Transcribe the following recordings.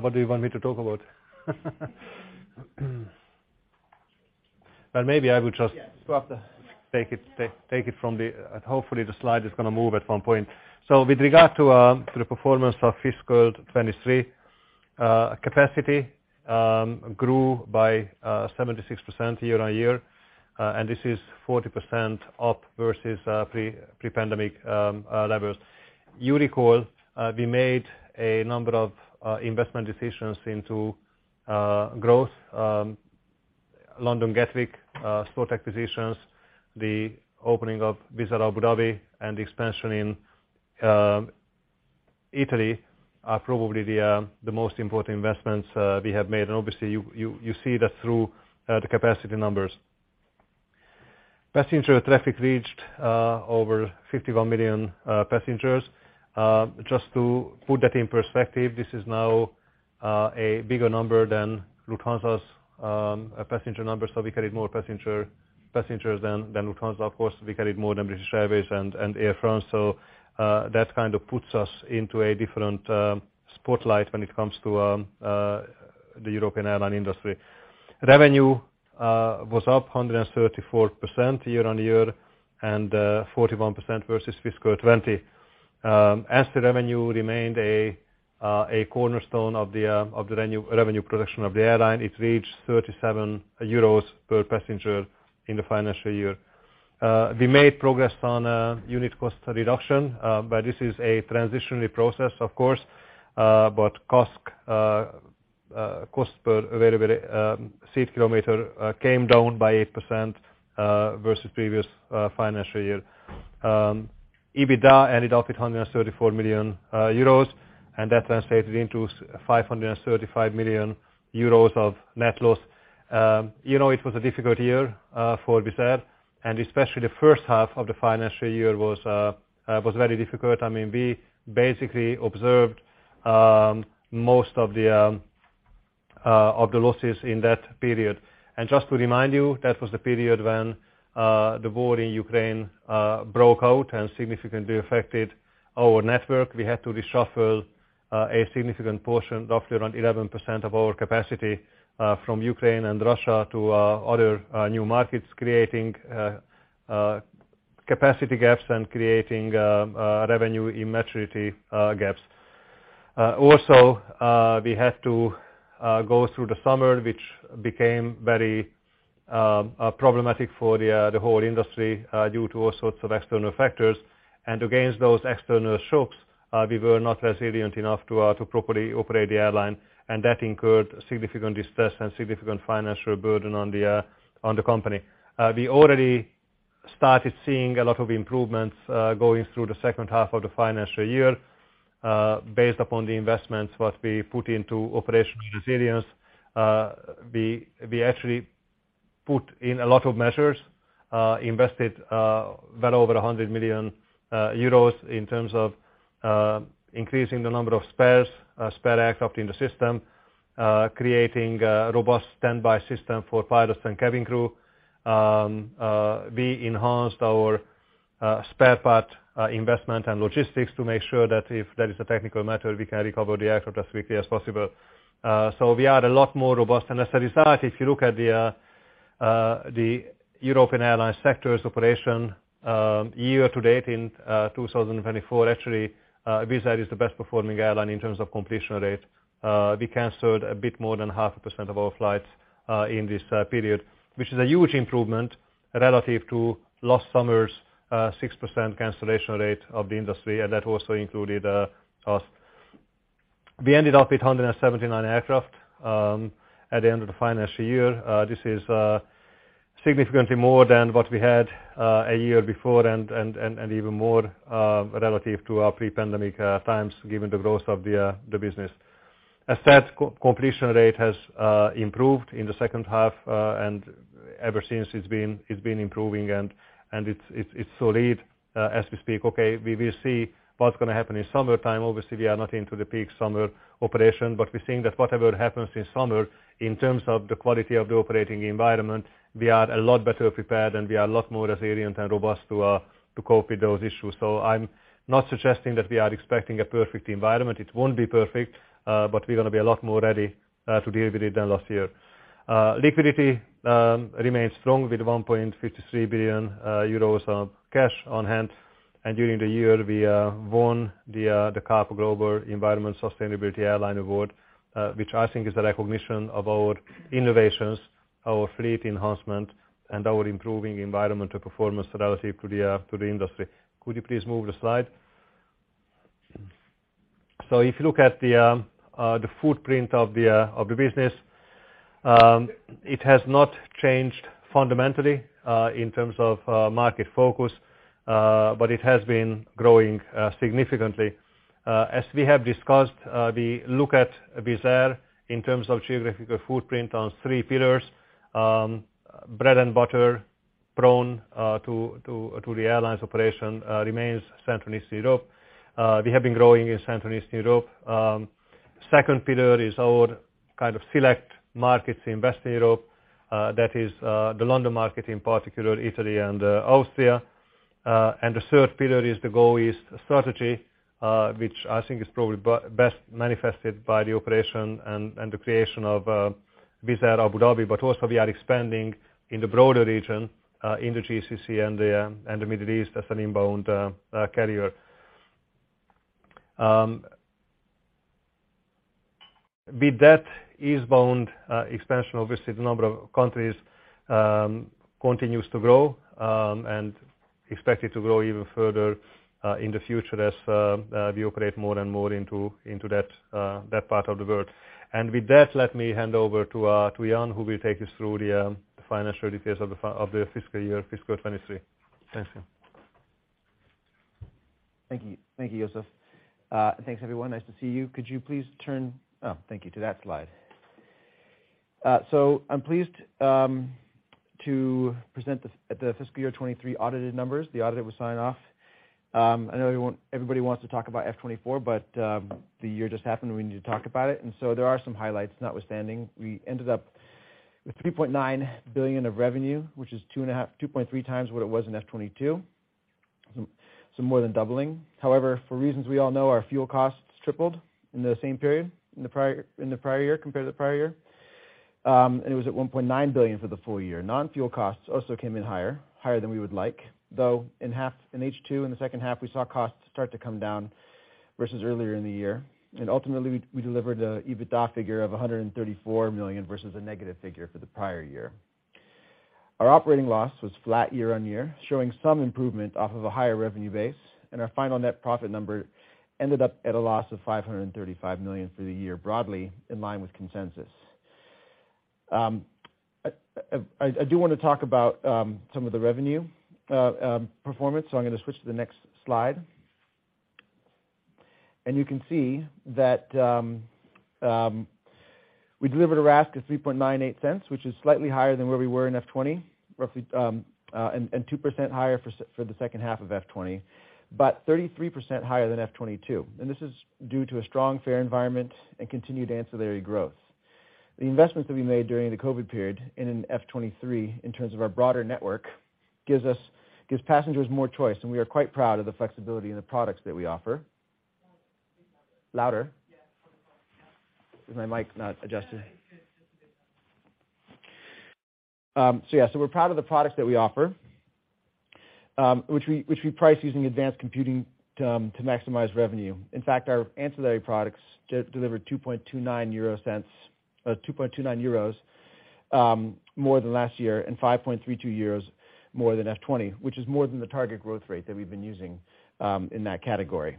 What do you want me to talk about? Well, maybe I would just take it from the, and hopefully the slide is going to move at one point. With regard to the performance of fiscal 2023, capacity grew by 76% year-on-year, and this is 40% up versus pre-pandemic levels. You recall, we made a number of investment decisions into growth, London Gatwick slot acquisitions, the opening of Wizz Air Abu Dhabi, and the expansion in Italy are probably the most important investments we have made. Obviously, you see that through the capacity numbers. Passenger traffic reached over 51 million passengers. Just to put that in perspective, this is now a bigger number than Lufthansa's passenger numbers. We carried more passengers than Lufthansa. Of course, we carried more than British Airways and Air France. That kind of puts us into a different spotlight when it comes to the European airline industry. Revenue was up 134% year-on-year and 41% versus fiscal 20. As the revenue remained a cornerstone of the revenue production of the airline, it reached 37 euros per passenger in the financial year. We made progress on unit cost reduction, but this is a transitionary process, of course. But CASK, cost per available seat kilometer, came down by 8% versus previous financial year. EBITDA ended up at 134 million euros, that translated into 535 million euros of net loss. You know, it was a difficult year for Wizz Air, especially the first half of the financial year was very difficult. I mean, we basically observed most of the losses in that period. Just to remind you, that was the period when the war in Ukraine broke out and significantly affected our network. We had to reshuffle a significant portion, roughly around 11% of our capacity, from Ukraine and Russia to other new markets, creating capacity gaps and creating revenue immaturity gaps. Also, we had to go through the summer, which became very problematic for the whole industry due to all sorts of external factors. Against those external shocks, we were not resilient enough to properly operate the airline, and that incurred significant distress and significant financial burden on the company. We already started seeing a lot of improvements going through the second half of the financial year based upon the investments what we put into operational resilience. We actually put in a lot of measures, invested well over 100 million euros in terms of increasing the number of spares, spare aircraft in the system, creating a robust standby system for pilots and cabin crew. We enhanced our spare part investment and logistics to make sure that if there is a technical matter, we can recover the aircraft as quickly as possible. We are a lot more robust. As a result, if you look at the European airline sectors operation year to date in 2024, actually, Wizz Air is the best performing airline in terms of completion rate. We canceled a bit more than 0.5% of our flights in this period, which is a huge improvement relative to last summer's 6% cancellation rate of the industry, and that also included us. We ended up with 179 aircraft at the end of the financial year. This is significantly more than what we had a year before and even more relative to our pre-pandemic times, given the growth of the business. As said, completion rate has improved in the second half and ever since it's been improving, and it's solid as we speak. Okay, we will see what's gonna happen in summertime. Obviously, we are not into the peak summer operation, but we think that whatever happens in summer, in terms of the quality of the operating environment, we are a lot better prepared, and we are a lot more resilient and robust to cope with those issues. I'm not suggesting that we are expecting a perfect environment. It won't be perfect, but we're gonna be a lot more ready to deal with it than last year. Liquidity remains strong with 1.53 billion euros of cash on hand. During the year, we won the CAPA Global Environmental Sustainability Airline Award, which I think is a recognition of our innovations, our fleet enhancement, and our improving environmental performance relative to the industry. Could you please move the slide? If you look at the footprint of the business, it has not changed fundamentally in terms of market focus, but it has been growing significantly. As we have discussed, we look at Wizz Air in terms of geographical footprint on three pillars. Bread and butter prone to the airlines operation remains Central and Eastern Europe. We have been growing in Central and Eastern Europe. The second pillar is our kind of select markets in Western Europe, that is, the London market, in particular Italy and Austria. The third pillar is the Go East strategy, which I think is probably best manifested by the operation and the creation of Wizz Air Abu Dhabi, but also we are expanding in the broader region, in the GCC and the Middle East as an inbound carrier. With that eastbound expansion, obviously, the number of countries continues to grow and expected to grow even further in the future as we operate more and more into that part of the world. With that, let me hand over to Ian, who will take us through the financial details of the fiscal year, fiscal 2023. Thank you. Thank you. Thank you, József. Thanks, everyone. Nice to see you. Could you please turn... Oh, thank you to that slide. So I'm pleased to present the fiscal year 2023 audited numbers. The audit was signed off. I know everybody wants to talk about F 2024, but the year just happened, and we need to talk about it, so there are some highlights notwithstanding. We ended up with 3.9 billion of revenue, which is 2.3 times what it was in F 2022, so more than doubling. However, for reasons we all know, our fuel costs tripled in the same period, in the prior year, compared to the prior year. It was at 1.9 billion for the full year. Non-fuel costs also came in higher than we would like, though, in H2, in the second half, we saw costs start to come down versus earlier in the year. Ultimately, we delivered a EBITDA figure of 134 million versus a negative figure for the prior year. Our operating loss was flat year-on-year, showing some improvement off of a higher revenue base, and our final net profit number ended up at a loss of 535 million for the year, broadly, in line with consensus. I do want to talk about some of the revenue performance, I'm gonna switch to the next slide. You can see that, we delivered a RASK of 0.0398, which is slightly higher than where we were in F20, roughly, and 2% higher for the second half of F20, but 33% higher than F22. This is due to a strong fare environment and continued ancillary growth. The investments that we made during the COVID period and in F23, in terms of our broader network, gives passengers more choice, and we are quite proud of the flexibility in the products that we offer. Louder. Louder? Yeah. Is my mic not adjusted? No, it's just. We're proud of the products that we offer, which we price using advanced computing to maximize revenue. Our ancillary products delivered 2.29 euro more than last year, and 5.32 euros more than F20, which is more than the target growth rate that we've been using in that category.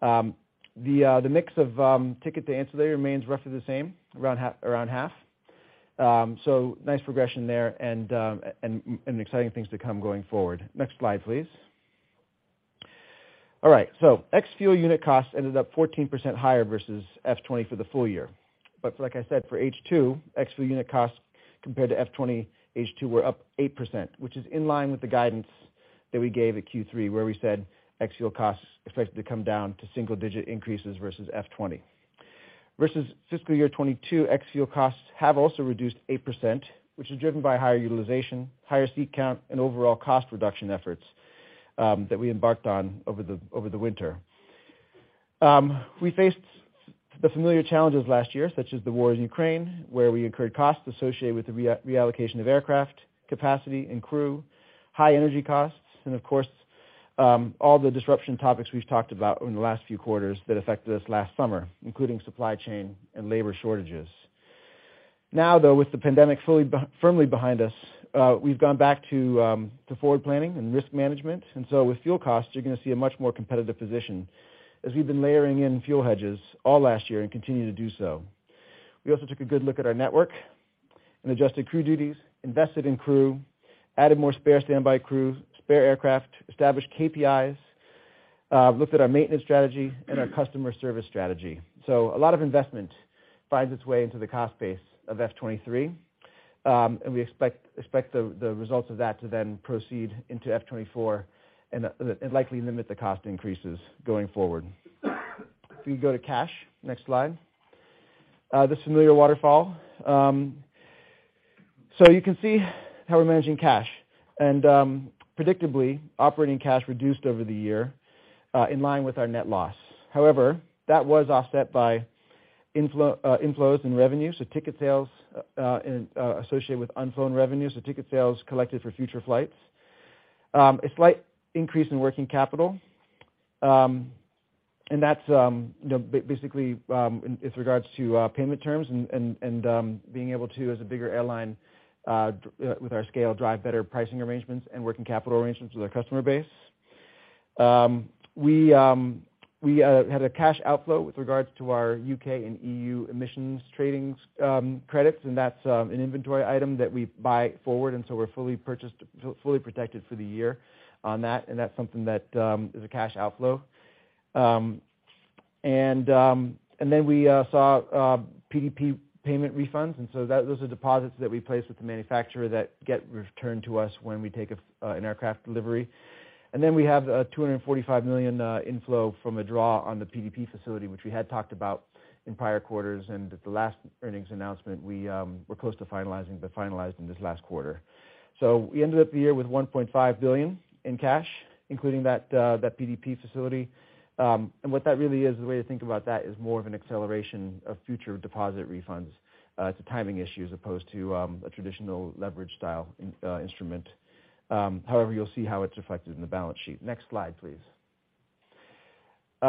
The mix of ticket to ancillary remains roughly the same, around half. Nice progression there, and exciting things to come going forward. Next slide, please. Ex-fuel unit costs ended up 14% higher versus F20 for the full year. Like I said, for H2, ex-fuel unit costs compared to F20, H2 were up 8%, which is in line with the guidance that we gave at Q3, where we said ex-fuel costs expected to come down to single digit increases versus F20. Versus fiscal year 2022, ex-fuel costs have also reduced 8%, which is driven by higher utilization, higher seat count, and overall cost reduction efforts that we embarked on over the winter. We faced the familiar challenges last year, such as the war in Ukraine, where we incurred costs associated with the reallocation of aircraft, capacity, and crew, high energy costs, and of course, all the disruption topics we've talked about over in the last few quarters that affected us last summer, including supply chain and labor shortages. With the pandemic fully firmly behind us, we've gone back to forward planning and risk management. With fuel costs, you're going to see a much more competitive position as we've been layering in fuel hedges all last year and continue to do so. We also took a good look at our network and adjusted crew duties, invested in crew, added more spare standby crew, spare aircraft, established KPIs, looked at our maintenance strategy and our customer service strategy. A lot of investment finds its way into the cost base of F 23. We expect the results of that to then proceed into F 24 and likely limit the cost increases going forward. If we go to cash, next slide. The familiar waterfall. You can see how we're managing cash. Predictably, operating cash reduced over the year in line with our net loss. However, that was offset by inflows in revenue, so ticket sales associated with unfunded revenues, so ticket sales collected for future flights. A slight increase in working capital, and that's, you know, basically in regards to payment terms and being able to, as a bigger airline, with our scale, drive better pricing arrangements and working capital arrangements with our customer base. We had a cash outflow with regards to our U.K. and E.U. emissions tradings, credits, and that's an inventory item that we buy forward, and so we're fully protected for the year on that, and that's something that is a cash outflow. We saw PDP payment refunds. So those are deposits that we place with the manufacturer that get returned to us when we take an aircraft delivery. We have a 245 million inflow from a draw on the PDP facility, which we had talked about in prior quarters. At the last earnings announcement, we were close to finalizing, but finalized in this last quarter. We ended up the year with 1.5 billion in cash, including that PDP facility. And what that really is, the way to think about that, is more of an acceleration of future deposit refunds, it's a timing issue as opposed to a traditional leverage style instrument. However, you'll see how it's reflected in the balance sheet. Next slide, please.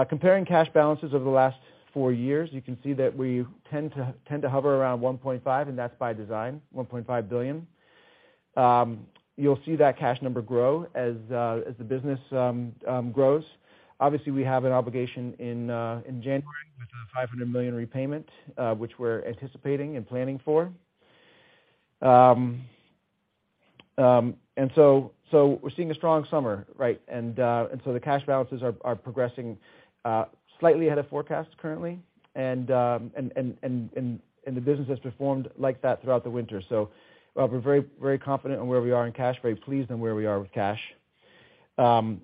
Comparing cash balances over the last four years, you can see that we tend to hover around 1.5, and that's by design, 1.5 billion. You'll see that cash number grow as the business grows. Obviously, we have an obligation in January, which is a 500 million repayment, which we're anticipating and planning for. We're seeing a strong summer, right? The cash balances are progressing slightly ahead of forecast currently. The business has performed like that throughout the winter. While we're very confident in where we are in cash, very pleased on where we are with cash. In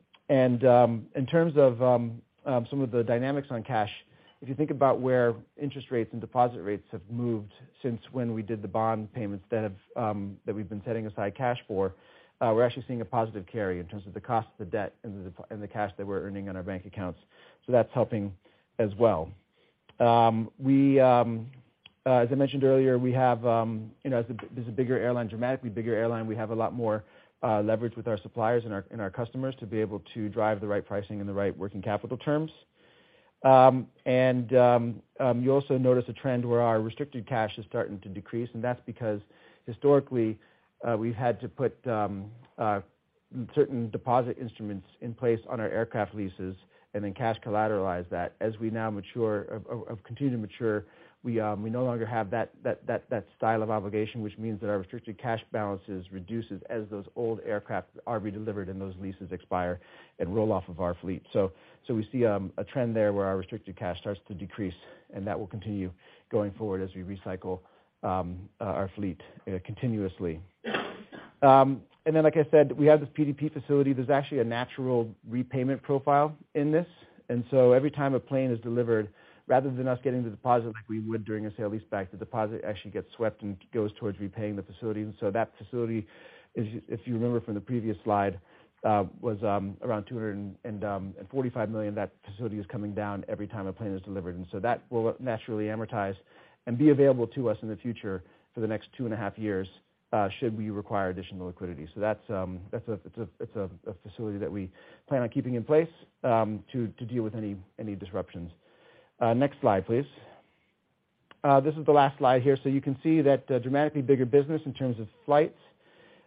terms of some of the dynamics on cash, if you think about where interest rates and deposit rates have moved since when we did the bond payments that we've been setting aside cash for, we're actually seeing a positive carry in terms of the cost of the debt and the cash that we're earning on our bank accounts. That's helping as well. We, as I mentioned earlier, we have, you know, this is a bigger airline, dramatically bigger airline, we have a lot more leverage with our suppliers and our customers to be able to drive the right pricing and the right working capital terms. You also notice a trend where our restricted cash is starting to decrease, and that's because, historically, we've had to put certain deposit instruments in place on our aircraft leases and then cash collateralize that. As we now mature, continue to mature, we no longer have that style of obligation, which means that our restricted cash balances reduces as those old aircraft are redelivered and those leases expire and roll off of our fleet. We see a trend there where our restricted cash starts to decrease, and that will continue going forward as we recycle our fleet continuously. Like I said, we have this PDP facility. There's actually a natural repayment profile in this. Every time a plane is delivered, rather than us getting the deposit like we would during a sale-leaseback, the deposit actually gets swept and goes towards repaying the facility. That facility, if you remember from the previous slide, was around 245 million. That facility is coming down every time a plane is delivered. That will naturally amortize and be available to us in the future for the next two and a half years, should we require additional liquidity. That's a facility that we plan on keeping in place to deal with any disruptions. Next slide, please. This is the last slide here. You can see that a dramatically bigger business in terms of flights.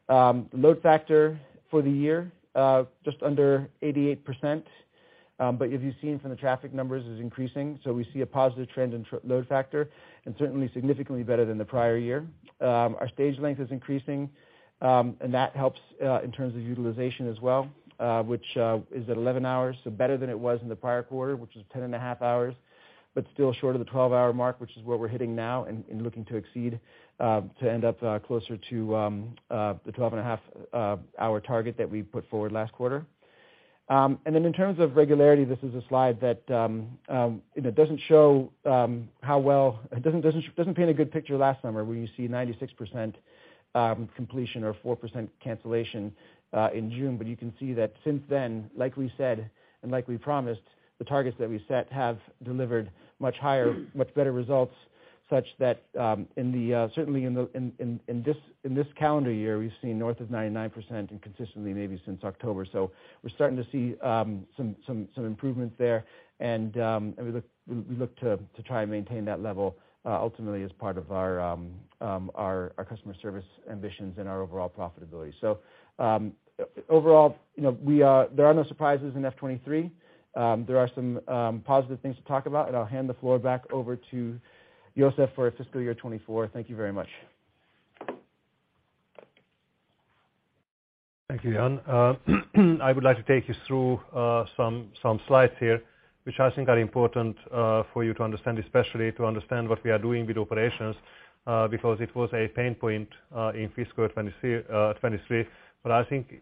Load factor for the year just under 88%. As you've seen from the traffic numbers, is increasing, so we see a positive trend in load factor, and certainly significantly better than the prior year. Our stage length is increasing, and that helps in terms of utilization as well, which is at 11 hours, so better than it was in the prior quarter, which is 10.5 hours, but still short of the 12-hour mark, which is where we're hitting now and looking to exceed, to end up closer to the 12.5 hour target that we put forward last quarter. And then in terms of regularity, this is a slide that, you know, doesn't paint a good picture last summer, where you see 96% completion or 4% cancellation in June. You can see that since then, like we said, and like we promised, the targets that we set have delivered much higher, much better results, such that, certainly in this calendar year, we've seen north of 99% and consistently maybe since October. We're starting to see some improvements there, and we look to try and maintain that level ultimately as part of our customer service ambitions and our overall profitability. Overall, you know, we, there are no surprises in FY23. There are some positive things to talk about, and I'll hand the floor back over to József for fiscal year 2024. Thank you very much. Thank you, Ian. I would like to take you through some slides here, which I think are important for you to understand, especially to understand what we are doing with operations, because it was a pain point in fiscal 2023. I think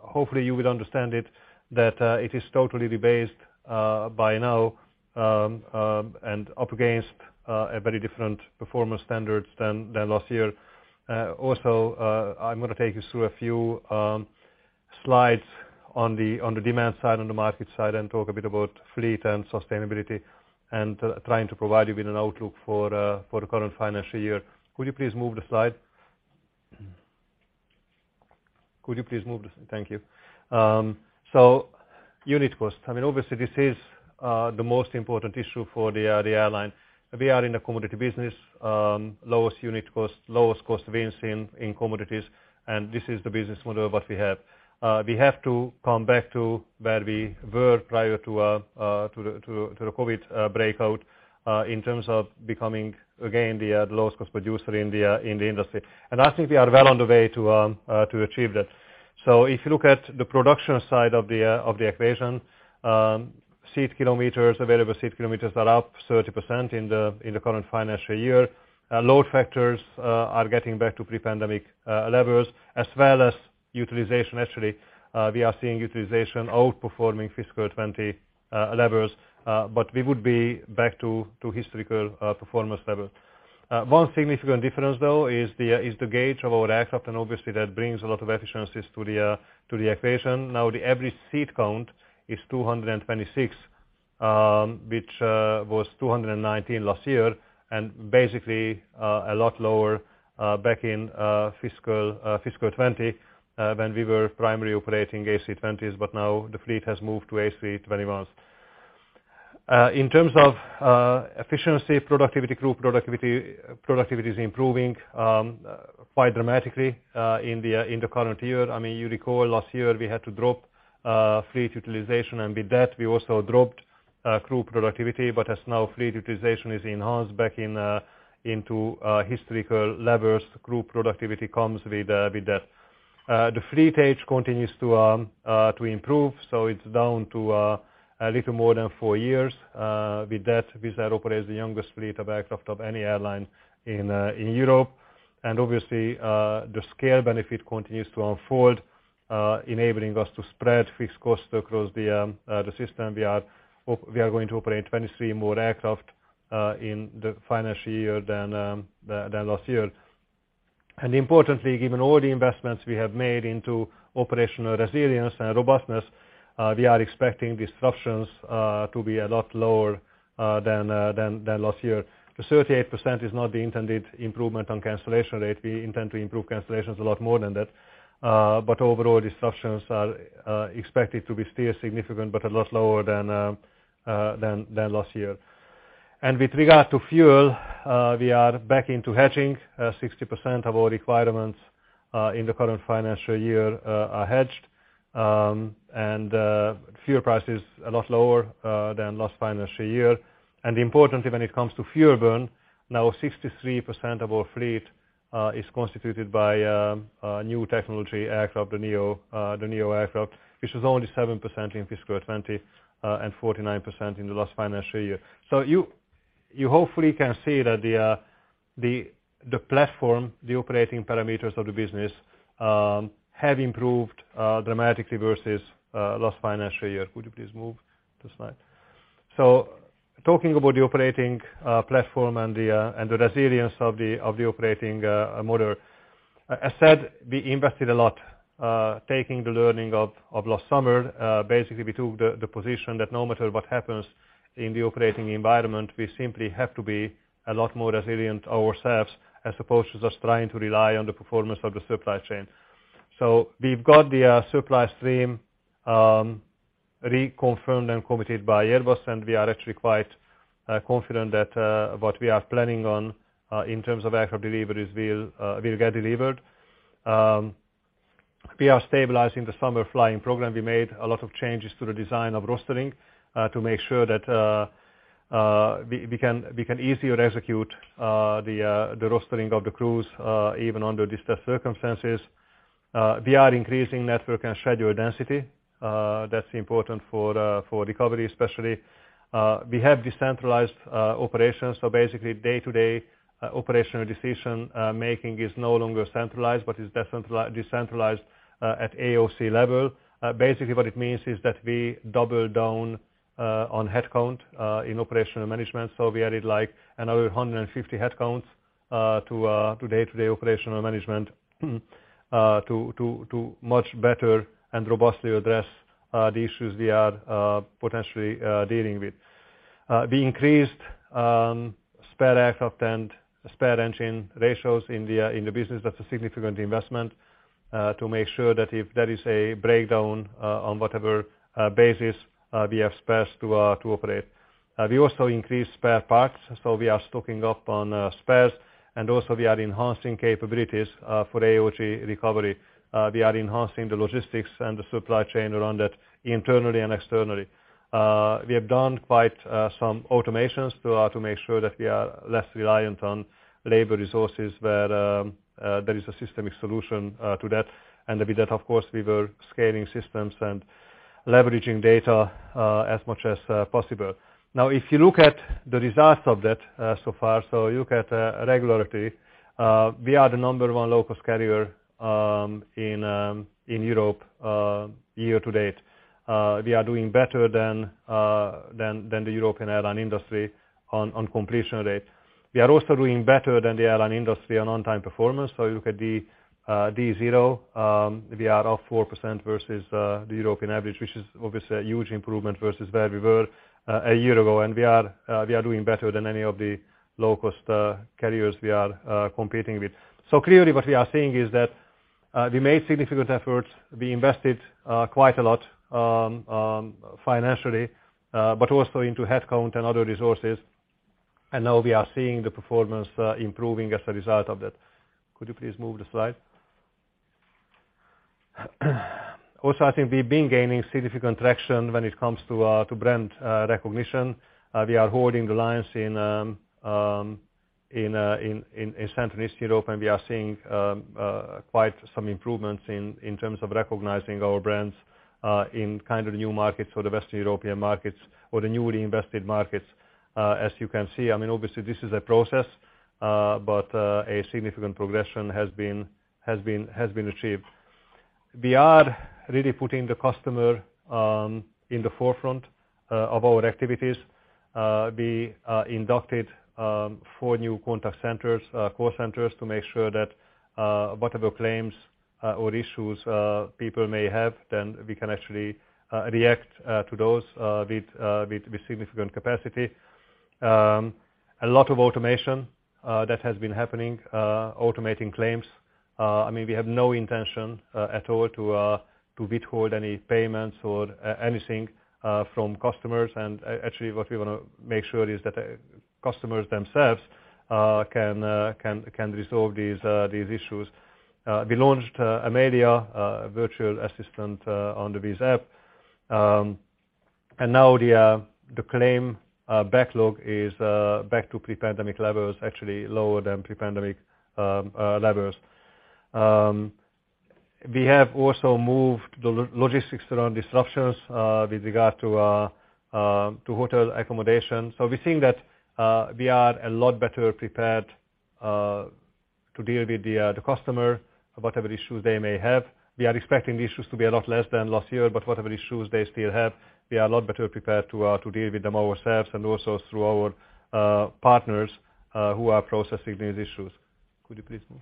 hopefully you will understand it, that it is totally rebased by now, and up against a very different performance standards than last year. Also, I'm gonna take you through a few slides on the demand side, on the market side, and talk a bit about fleet and sustainability, and trying to provide you with an outlook for the current financial year. Could you please move the slide? Could you please move the. Thank you. So unit cost. I mean, obviously this is the most important issue for the airline. We are in a commodity business, lowest unit cost, lowest cost wins in commodities, and this is the business model what we have. We have to come back to where we were prior to the COVID breakout in terms of becoming, again, the lowest cost producer in the industry. I think we are well on the way to achieve that. If you look at the production side of the equation, seat kilometers, available seat kilometers are up 30% in the current financial year. Load factors are getting back to pre-pandemic levels, as well as utilization. Actually, we are seeing utilization outperforming fiscal 2020 levels, we would be back to historical performance level. One significant difference, though, is the gauge of our aircraft, obviously that brings a lot of efficiencies to the equation. Now, the average seat count is 226, which was 219 last year, basically a lot lower back in fiscal 2020 when we were primarily operating A320s, the fleet has moved to A321s. In terms of efficiency, productivity, group productivity is improving quite dramatically in the current year. I mean, you recall last year, we had to drop fleet utilization, with that, we also dropped group productivity. As now fleet utilization is enhanced back in into historical levels, group productivity comes with that. The fleet age continues to improve, so it's down to a little more than 4 years. With that, Wizz Air operates the youngest fleet of aircraft of any airline in Europe. Obviously, the scale benefit continues to unfold, enabling us to spread fixed costs across the system. We are going to operate 23 more aircraft in the financial year than last year. Importantly, given all the investments we have made into operational resilience and robustness, we are expecting disruptions to be a lot lower than last year. The 38% is not the intended improvement on cancellation rate. We intend to improve cancellations a lot more than that. But overall, disruptions are expected to be still significant, but a lot lower than last year. With regard to fuel, we are back into hedging. 60% of our requirements in the current financial year are hedged. Fuel price is a lot lower than last financial year. Importantly, when it comes to fuel burn, now 63% of our fleet is constituted by new technology aircraft, the neo, the neo aircraft, which was only 7% in fiscal '20 and 49% in the last financial year. You hopefully can see that the platform, the operating parameters of the business, have improved dramatically versus last financial year. Could you please move the slide? Talking about the operating platform and the and the resilience of the operating model, as said, we invested a lot, taking the learning of last summer. Basically, we took the position that no matter what happens in the operating environment, we simply have to be a lot more resilient ourselves, as opposed to just trying to rely on the performance of the supply chain. We've got the supply stream reconfirmed and committed by Airbus, and we are actually quite confident that what we are planning on in terms of aircraft deliveries will get delivered. We are stabilizing the summer flying program. We made a lot of changes to the design of rostering to make sure that we can easier execute the rostering of the crews even under disturbed circumstances. We are increasing network and schedule density. That's important for recovery, especially. We have decentralized operations, basically, day-to-day operational decision making is no longer centralized, but is decentralized at AOC level. Basically, what it means is that we double down on headcount in operational management. We added, like, another 150 headcounts to day-to-day operational management to much better and robustly address the issues we are potentially dealing with. We increased spare aircraft and spare engine ratios in the business. That's a significant investment to make sure that if there is a breakdown on whatever basis, we have spares to operate. We also increased spare parts, so we are stocking up on spares, and also we are enhancing capabilities for AOG recovery. We are enhancing the logistics and the supply chain around that internally and externally. We have done quite some automations to make sure that we are less reliant on labor resources, where there is a systemic solution to that. With that, of course, we were scaling systems and leveraging data as much as possible. If you look at the results of that, so far, you look at regularity, we are the number one low-cost carrier in Europe, year to date. We are doing better than the European airline industry on completion rate. We are also doing better than the airline industry on on-time performance. You look at the D0, we are up 4% versus the European average, which is obviously a huge improvement versus where we were a year ago. We are doing better than any of the low-cost carriers we are competing with. Clearly, what we are seeing is that we made significant efforts. We invested quite a lot financially, but also into headcount and other resources, and now we are seeing the performance improving as a result of that. Could you please move the slide? I think we've been gaining significant traction when it comes to brand recognition. We are holding the lines in Central and Eastern Europe, and we are seeing quite some improvements in terms of recognizing our brands in kind of new markets or the Western European markets or the newly invested markets. As you can see, I mean, obviously this is a process, but a significant progression has been achieved. We are really putting the customer in the forefront of our activities. We inducted four new contact centers, call centers, to make sure that whatever claims or issues people may have, then we can actually react to those with with significant capacity. A lot of automation that has been happening, automating claims. I mean, we have no intention at all to to withhold any payments or anything from customers. Actually, what we want to make sure is that customers themselves can can resolve these these issues. We launched Amelia, a virtual assistant, on the WIZZ app. And now the claim backlog is back to pre-pandemic levels, actually lower than pre-pandemic levels. We have also moved the logistics around disruptions with regard to hotel accommodation. We think that we are a lot better prepared to deal with the customer, whatever issues they may have. We are expecting the issues to be a lot less than last year, but whatever issues they still have, we are a lot better prepared to deal with them ourselves, and also through our partners who are processing these issues. Could you please move?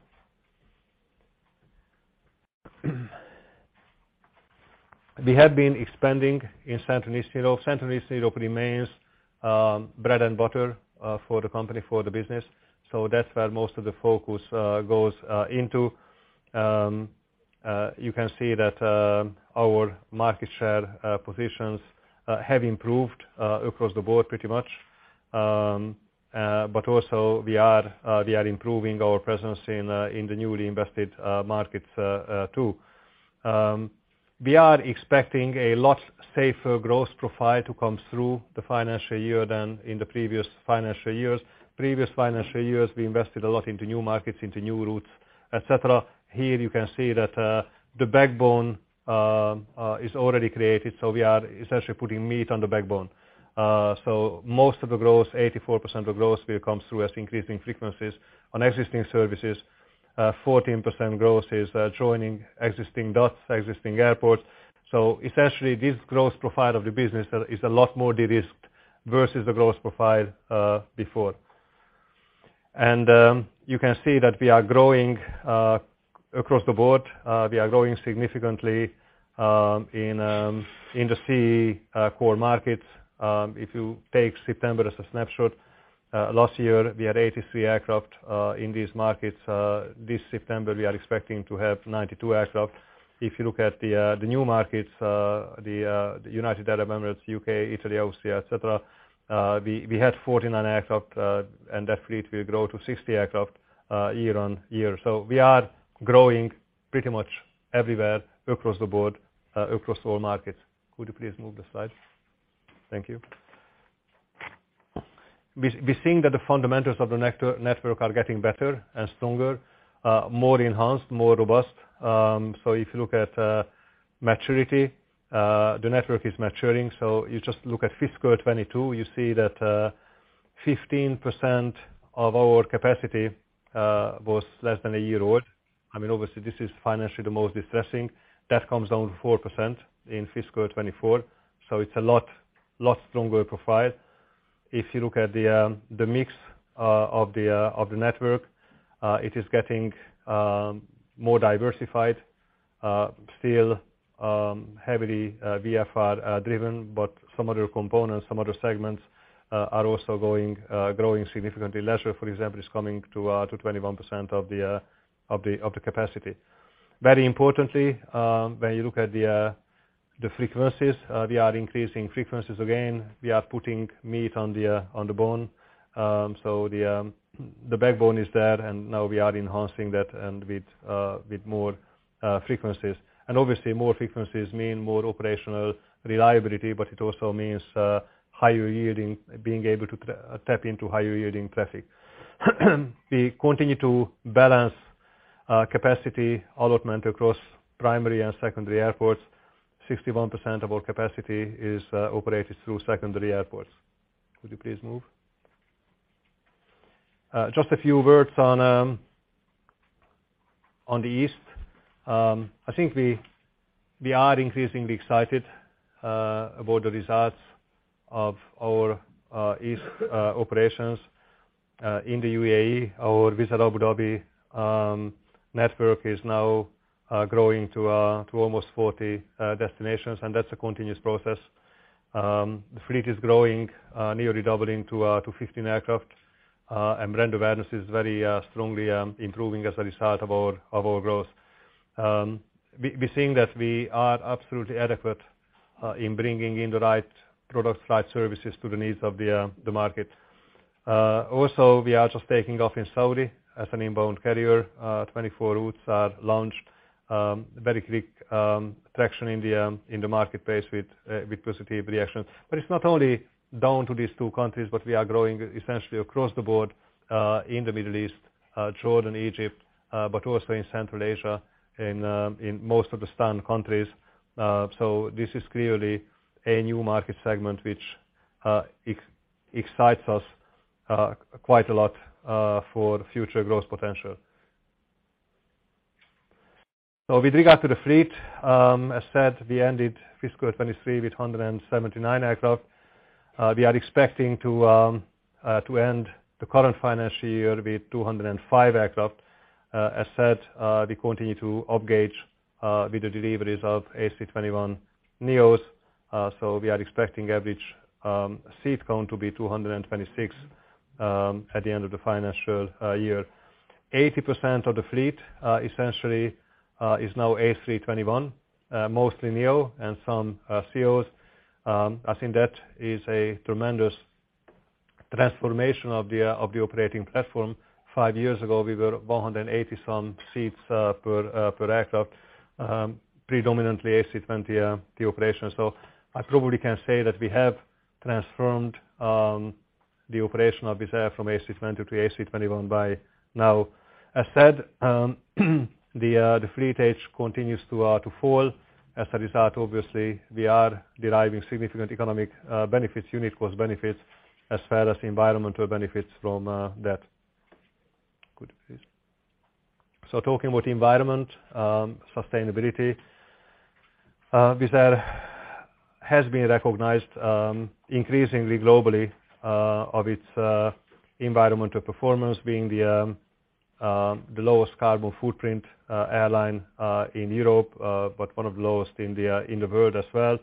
We have been expanding in Central and Eastern Europe. Central and Eastern Europe remains bread and butter for the company, for the business, that's where most of the focus goes into. You can see that our market share positions have improved across the board pretty much. Also we are improving our presence in the newly invested markets too. We are expecting a lot safer growth profile to come through the financial year than in the previous financial years. Previous financial years, we invested a lot into new markets, into new routes, et cetera. Here you can see that the backbone is already created, so we are essentially putting meat on the backbone. Most of the growth, 84% of growth, will comes through as increasing frequencies on existing services. 14% growth is joining existing dots, existing airports. Essentially, this growth profile of the business is a lot more de-risked versus the growth profile before. You can see that we are growing across the board. We are growing significantly in the CEE core markets. If you take September as a snapshot, last year, we had 83 aircraft in these markets. This September, we are expecting to have 92 aircraft. If you look at the new markets, the United Arab Emirates, UK, Italy, Austria, et cetera, we had 49 aircraft, and that fleet will grow to 60 aircraft year-over-year. We are growing pretty much everywhere across the board across all markets. Could you please move the slide? Thank you. We're seeing that the fundamentals of the network are getting better and stronger, more enhanced, more robust. If you look at maturity, the network is maturing. You just look at fiscal 22, you see that 15% of our capacity was less than a year old. I mean, obviously, this is financially the most distressing. That comes down to 4% in fiscal 24, so it's a lot stronger profile. If you look at the mix of the network, it is getting more diversified, still heavily VFR driven, but some other components, some other segments are also growing significantly. Leisure, for example, is coming to 21% of the capacity. Very importantly, when you look at the frequencies, we are increasing frequencies again. We are putting meat on the bone. The backbone is there, now we are enhancing that with more frequencies. Obviously, more frequencies mean more operational reliability, but it also means higher yielding, being able to tap into higher-yielding traffic. We continue to balance capacity allotment across primary and secondary airports. 61% of our capacity is operated through secondary airports. Could you please move? Just a few words on the East. I think we are increasingly excited about the results of our East operations in the UAE. Our Wizz Air Abu Dhabi network is now growing to almost 40 destinations, that's a continuous process. The fleet is growing, nearly doubling to 15 aircraft, and brand awareness is very strongly improving as a result of our growth. We're seeing that we are absolutely adequate in bringing in the right products, right services to the needs of the market. Also, we are just taking off in Saudi as an inbound carrier. 24 routes are launched. Very quick traction in the marketplace with positive reactions. It's not only down to these two countries, but we are growing essentially across the board in the Middle East, Jordan, Egypt, but also in Central Asia, in most of the Stan countries. This is clearly a new market segment which excites us. quite a lot for the future growth potential. With regard to the fleet, as said, we ended fiscal 2023 with 179 aircraft. We are expecting to end the current financial year with 205 aircraft. As said, we continue to up gauge with the deliveries of A321neos, so we are expecting average seat count to be 226 at the end of the financial year. 80% of the fleet, essentially, is now A321, mostly neo and some CEOs. I think that is a tremendous transformation of the operating platform. 5 years ago, we were 180 some seats per aircraft, predominantly A320, the operation. I probably can say that we have transformed the operation of Wizz Air from A320 to A321 by now. As said, the fleet age continues to fall. As a result, obviously, we are deriving significant economic benefits, unit cost benefits, as well as environmental benefits from that. Good. Talking about environment, sustainability, Wizz Air has been recognized increasingly globally of its environmental performance being the lowest carbon footprint airline in Europe, but one of the lowest in the world as well.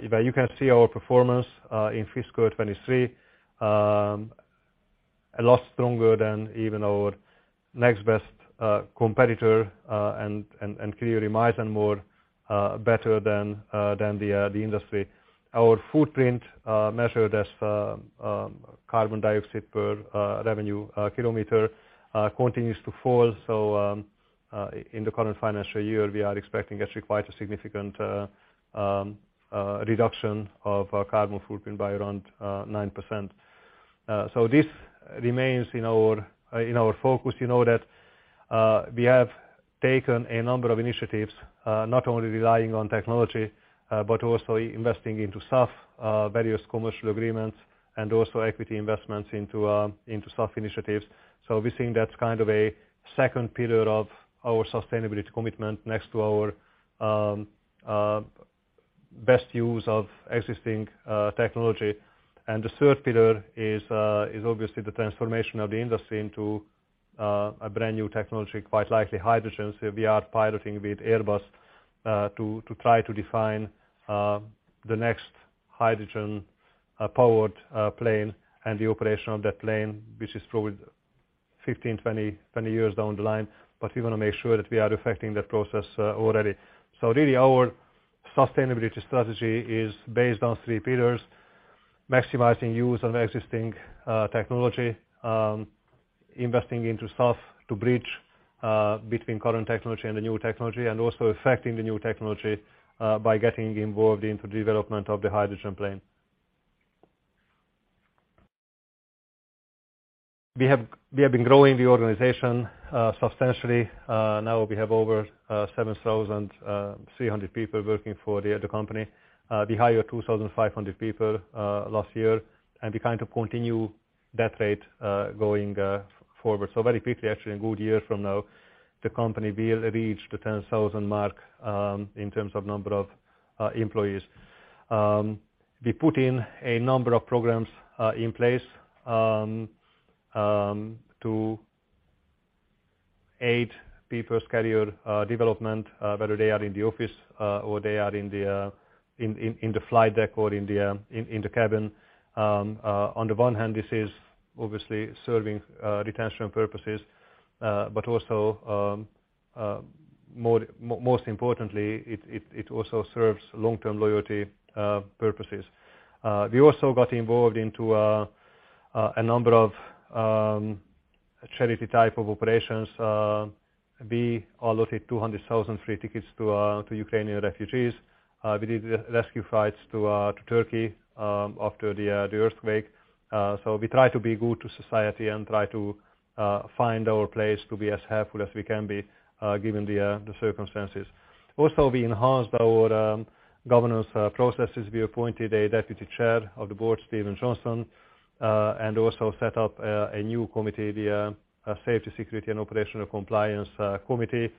You can see our performance in fiscal 2023, a lot stronger than even our next best competitor, and clearly miles and more better than the industry. Our footprint, measured as carbon dioxide per revenue kilometer, continues to fall. In the current financial year, we are expecting actually quite a significant reduction of our carbon footprint by around 9%. This remains in our focus. You know that we have taken a number of initiatives, not only relying on technology, but also investing into SAF, various commercial agreements, and also equity investments into SAF initiatives. We think that's kind of a second pillar of our sustainability commitment next to our best use of existing technology. The third pillar is obviously the transformation of the industry into a brand new technology, quite likely hydrogen. th Airbus to try to define the next hydrogen-powered plane and the operation of that plane, which is probably 15-20 years down the line, but we want to make sure that we are affecting that process already. Really, our sustainability strategy is based on three pillars: maximizing use of existing technology, investing into SAF to bridge between current technology and the new technology, and also affecting the new technology by getting involved into development of the hydrogen plane. We have been growing the organization substantially. Now we have over 7,300 people working for the company. We hired 2,500 people last year, and we continue that rate going forward Very quickly, actually, a good year from now, the company will reach the 10,000 mark, in terms of number of employees. We put in a number of programs in place to aid people's career development, whether they are in the office or they are in the flight deck or in the cabin. On the one hand, this is obviously serving retention purposes, but also most importantly, it also serves long-term loyalty purposes. We also got involved into a number of charity type of operations. We allotted 200,000 free tickets to Ukrainian refugees. We did rescue flights to Turkey after the earthquake. We try to be good to society and try to find our place to be as helpful as we can be given the circumstances. We enhanced our governance processes. We appointed a Deputy Chair of the board, Stephen Johnson, and also set up a new committee, the Safety, Security and Operational Compliance Committee.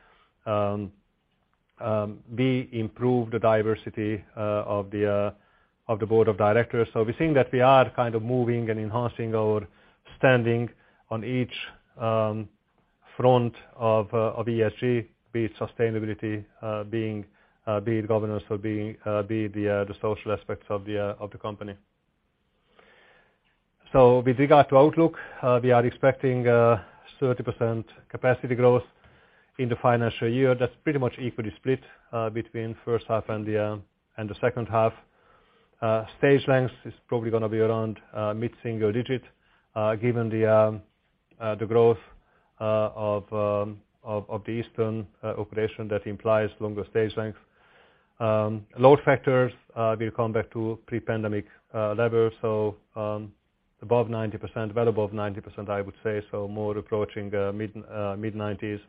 We improved the diversity of the board of directors. We think that we are kind of moving and enhancing our standing on each front of ESG, be it sustainability, being be it governance or be be the the social aspects of the company. With regard to outlook, we are expecting 30% capacity growth in the financial year. That's pretty much equally split, between first half and the second half. Stage length is probably gonna be around mid-single digit, given the growth of the eastern operation that implies longer stage length. Load factors will come back to pre-pandemic levels, so above 90%, well above 90%, I would say, so more approaching mid-90s.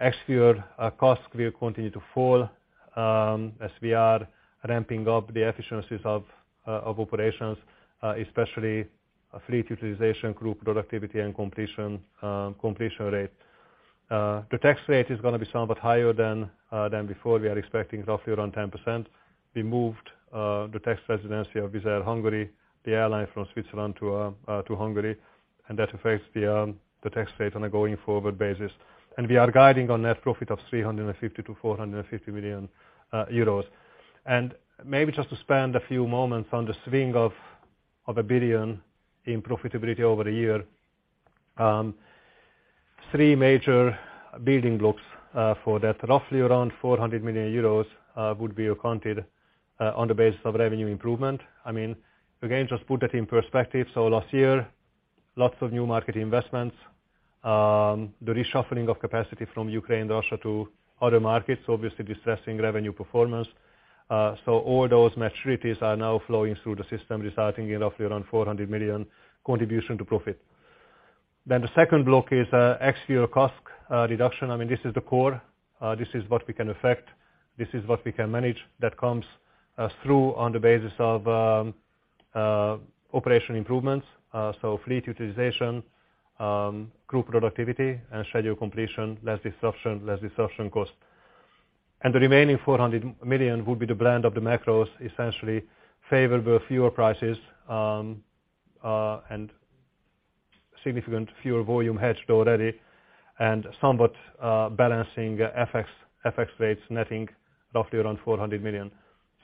Next year, our costs will continue to fall, as we are ramping up the efficiencies of operations, especially fleet utilization, group productivity, and completion rate. The tax rate is going to be somewhat higher than before. We are expecting roughly around 10%. We moved the tax residency of Wizz Air Hungary, the airline, from Switzerland to Hungary, and that affects the tax rate on a going-forward basis. We are guiding on net profit of 350 million-450 million euros. Maybe just to spend a few moments on the swing of 1 billion in profitability over the year. Three major building blocks for that, roughly around 400 million euros, would be accounted on the basis of revenue improvement. I mean, again, just put that in perspective. Last year, lots of new market investments, the reshuffling of capacity from Ukraine, Russia to other markets, obviously distressing revenue performance. All those maturities are now flowing through the system, resulting in roughly around 400 million contribution to profit. The second block is actual cost reduction. I mean, this is the core. This is what we can affect. This is what we can manage. That comes through on the basis of operation improvements, so fleet utilization, group productivity and schedule completion, less disruption, less disruption cost. The remaining 400 million would be the blend of the macros, essentially favorable fuel prices, and significant fuel volume hedged already, and somewhat balancing FX rates, netting roughly around 400 million.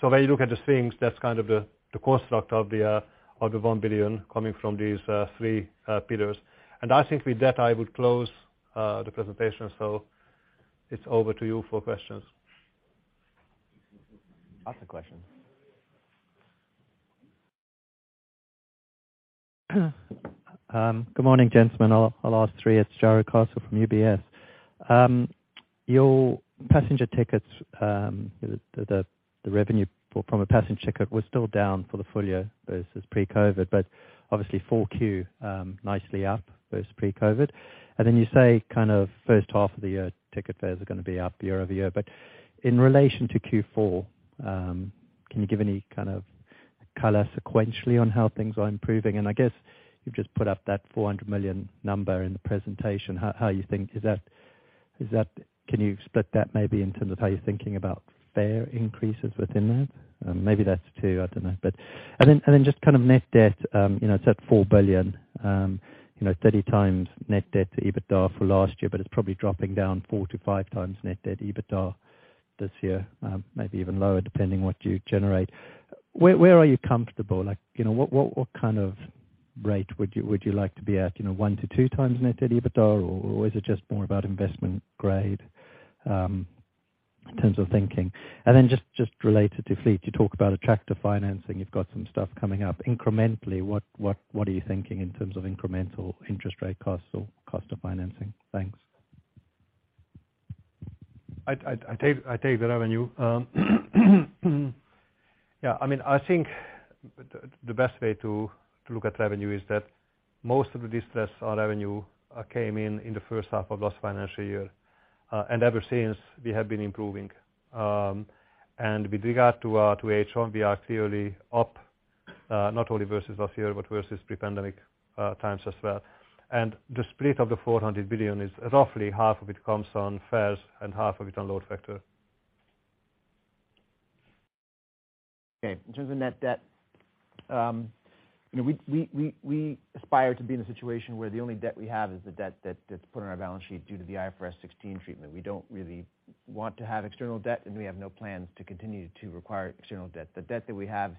When you look at the swings, that's kind of the construct of the 1 billion coming from these three pillars. I think with that, I would close the presentation. It's over to you for questions. Ask the questions. Good morning, gentlemen. I'll ask three. It's Jarrod Castle from UBS. Your passenger tickets, the revenue from a passenger ticket was still down for the full year versus pre-COVID, but obviously four Q, nicely up versus pre-COVID. You say, kind of first half of the year, ticket fares are going to be up year-over-year. In relation to Q4, can you give any kind of color sequentially on how things are improving? I guess you've just put up that 400 million number in the presentation. How you think, is that Can you split that maybe in terms of how you're thinking about fare increases within that? Maybe that's two, I don't know. Just kind of net debt, you know, it's at 4 billion, you know, 30 times net debt to EBITDA for last year, but it's probably dropping down 4-5 times net debt to EBITDA this year, maybe even lower, depending what you generate. Where are you comfortable? Like, you know, what kind of rate would you like to be at? You know, 1-2 times net debt EBITDA, or is it just more about investment grade, in terms of thinking? Just related to fleet, you talk about attractive financing. You've got some stuff coming up. Incrementally, what are you thinking in terms of incremental interest rate costs or cost of financing? Thanks. I take the revenue. I mean, I think the best way to look at revenue is that most of the distressed revenue came in the first half of last financial year. Ever since, we have been improving. With regard to HH, we are clearly up, not only versus last year, but versus pre-pandemic times as well. The split of the 400 billion is roughly half of it comes on fares and half of it on load factor. Okay. In terms of net debt, you know, we aspire to be in a situation where the only debt we have is the debt that's put on our balance sheet due to the IFRS 16 treatment. We don't really want to have external debt, and we have no plans to continue to require external debt. The debt that we have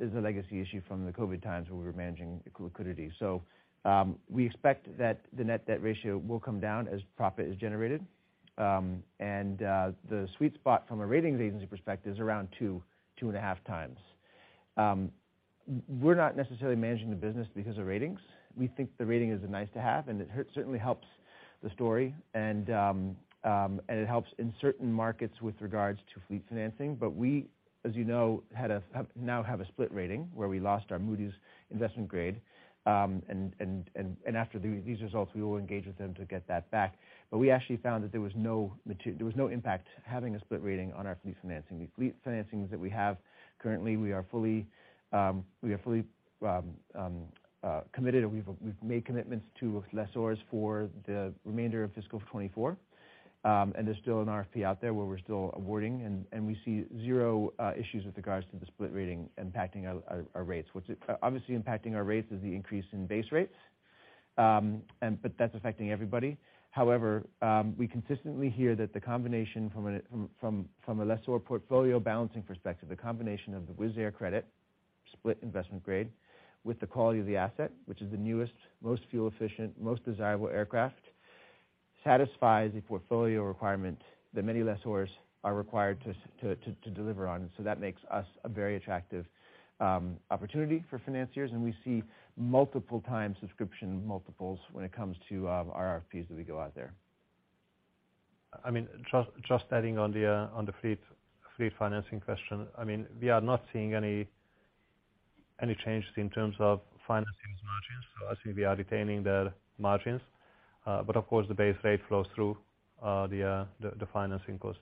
is a legacy issue from the COVID times, where we were managing liquidity. We expect that the net debt ratio will come down as profit is generated. The sweet spot from a ratings agency perspective is around 2.5 times. We're not necessarily managing the business because of ratings. We think the rating is nice to have, and it certainly helps the story, and it helps in certain markets with regards to fleet financing. We, as you know, now have a split rating, where we lost our Moody's investment grade. After these results, we will engage with them to get that back. We actually found that there was no impact having a split rating on our fleet financing. The fleet financings that we have currently, we are fully committed, and we've made commitments to lessors for the remainder of fiscal 2024. There's still an RFP out there, where we're still awarding, and we see zero issues with regards to the split rating impacting our rates. What's obviously impacting our rates is the increase in base rates, and but that's affecting everybody. However, we consistently hear that the combination from a lessor portfolio balancing perspective, the combination of the Wizz Air credit split investment grade with the quality of the asset, which is the newest, most fuel-efficient, most desirable aircraft, satisfies the portfolio requirement that many lessors are required to deliver on. That makes us a very attractive opportunity for financiers, and we see multiple times subscription multiples when it comes to our RFPs, as we go out there. I mean, just adding on the fleet financing question. I mean, we are not seeing any changes in terms of financing margins. I think we are retaining the margins. Of course, the base rate flows through the financing costs.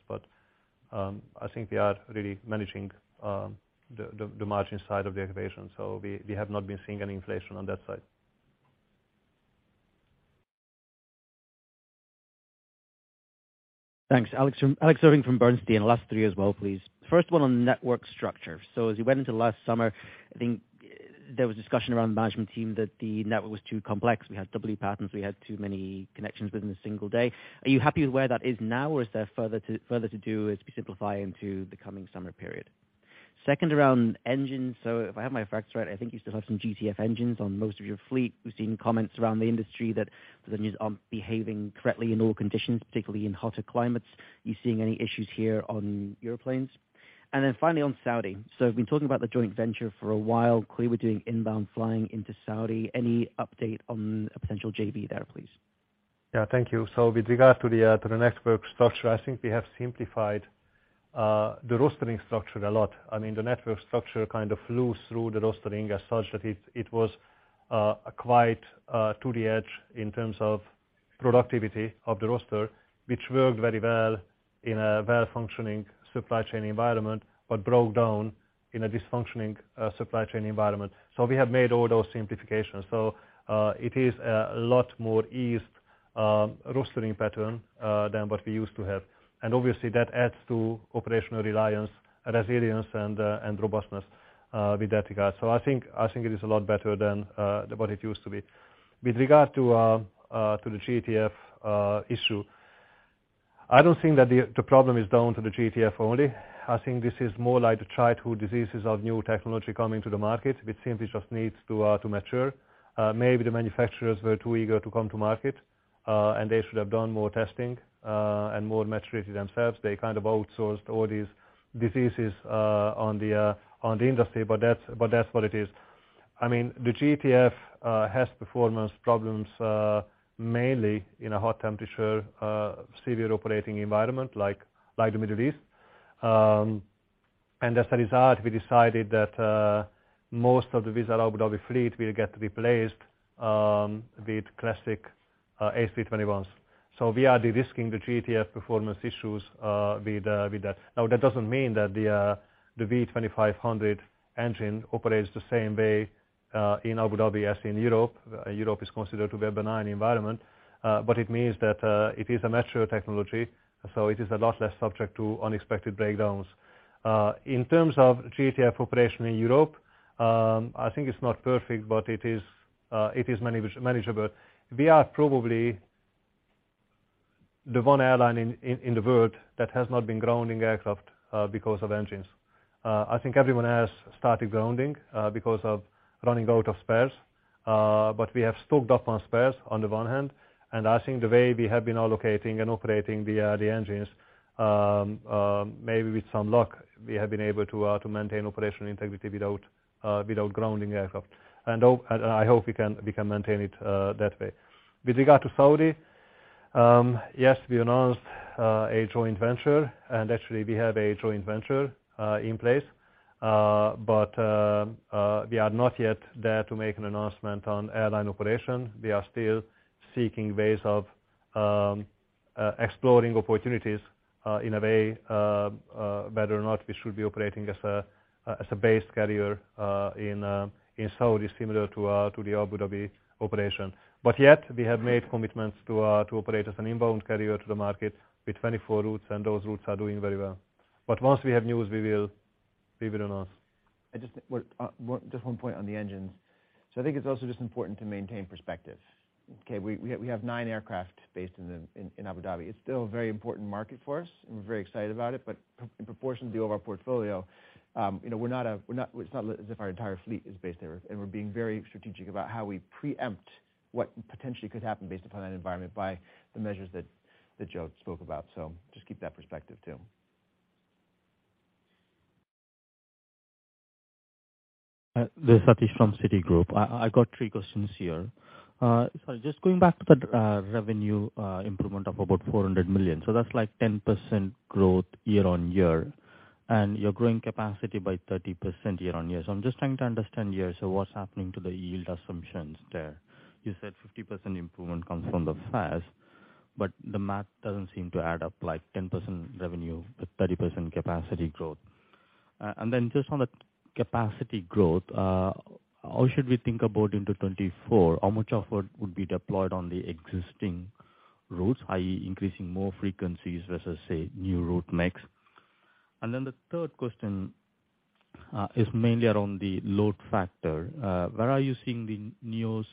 I think we are really managing the margin side of the equation, so we have not been seeing any inflation on that side. Thanks. Alex Irving from Bernstein. Last three as well, please. First one on network structure. As you went into last summer, I think there was discussion around the management team that the network was too complex. We had doubly patterns, we had too many connections within a single day. Are you happy with where that is now, or is there further to do as we simplify into the coming summer period? Second, around engines. If I have my facts right, I think you still have some GTF engines on most of your fleet. We've seen comments around the industry that the engines aren't behaving correctly in all conditions, particularly in hotter climates. Are you seeing any issues here on your planes? Finally, on Saudi. I've been talking about the joint venture for a while. Clearly, we're doing inbound flying into Saudi. Any update on a potential JV there, please? Yeah. Thank you. With regard to the network structure, I think we have simplified the rostering structure a lot. I mean, the network structure kind of flew through the rostering as such, that it was quite to the edge in terms of productivity of the roster, which worked very well in a well-functioning supply chain environment, but broke down in a dysfunctioning supply chain environment. We have made all those simplifications. It is a lot more eased rostering pattern than what we used to have. Obviously, that adds to operational reliance, resilience, and robustness with that regard. I think it is a lot better than what it used to be. With regard to the GTF issue, I don't think that the problem is down to the GTF only. I think this is more like the childhood diseases of new technology coming to the market, which simply just needs to mature. Maybe the manufacturers were too eager to come to market, and they should have done more testing and more maturity themselves. They kind of outsourced all these diseases on the industry, but that's what it is. I mean, the GTF has performance problems mainly in a hot temperature severe operating environment, like the Middle East. As a result, we decided that most of the Wizz Air Abu Dhabi fleet will get replaced with classic A321s. We are de-risking the GTF performance issues, with that. Now, that doesn't mean that the V2500 engine operates the same way in Abu Dhabi as in Europe. Europe is considered to be a benign environment, but it means that it is a mature technology, so it is a lot less subject to unexpected breakdowns. In terms of GTF operation in Europe, I think it's not perfect, but it is manageable. We are probably the one airline in the world that has not been grounding aircraft because of engines. I think everyone else started grounding because of running out of spares. We have stocked up on spares on the one hand, and I think the way we have been allocating and operating the engines, maybe with some luck, we have been able to maintain operational integrity without grounding aircraft. I hope we can maintain it that way. With regard to Saudi, yes, we announced a joint venture, and actually we have a joint venture in place. We are not yet there to make an announcement on airline operation. We are still seeking ways of exploring opportunities in a way, whether or not we should be operating as a base carrier in Saudi, similar to the Abu Dhabi operation. Yet, we have made commitments to operate as an inbound carrier to the market with 24 routes, and those routes are doing very well. Once we have news, we will give it announce. I just think. Well, just one point on the engines. I think it's also just important to maintain perspective. Okay, we have nine aircraft based in Abu Dhabi. It's still a very important market for us, and we're very excited about it. In proportion to the overall portfolio, you know, we're not it's not as if our entire fleet is based there. We're being very strategic about how we preempt what potentially could happen based upon that environment by the measures that Joe spoke about. Just keep that perspective, too. This Satish from Citigroup. I got three questions here. Just going back to the revenue improvement of about 400 million. That's like 10% growth year on year, and you're growing capacity by 30% year on year. I'm just trying to understand here, what's happening to the yield assumptions there? You said 50% improvement comes from the fares, but the math doesn't seem to add up like 10% revenue, but 30% capacity growth. Just on the capacity growth, how should we think about into 2024? How much of what would be deployed on the existing routes, i.e., increasing more frequencies versus, say, new route mix? The third question is mainly around the load factor. Where are you seeing the news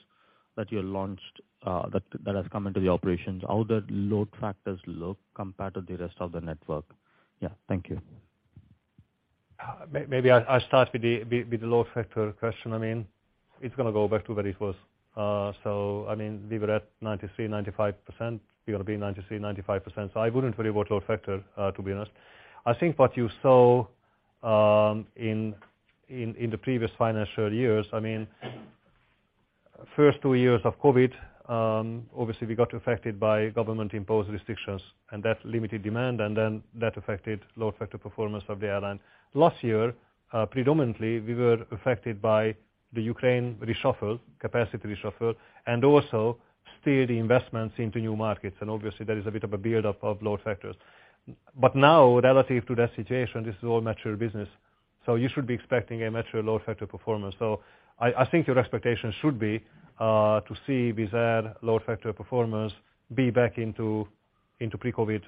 that you launched, that has come into the operations? How the load factors look compared to the rest of the network? Thank you. Maybe I start with the load factor question. I mean, it's gonna go back to where it was. I mean, we were at 93%, 95%, we're gonna be 93%, 95%, so I wouldn't worry about load factor, to be honest. I think what you saw, in the previous financial years, I mean, first 2 years of COVID, obviously we got affected by government-imposed restrictions, and that limited demand, and then that affected load factor performance of the airline. Last year, predominantly, we were affected by the Ukraine reshuffle, capacity reshuffle, and also still the investments into new markets, and obviously there is a bit of a build-up of load factors. Now, relative to that situation, this is all mature business, so you should be expecting a mature load factor performance. I think your expectation should be to see Wizz Air load factor performance be back into pre-COVID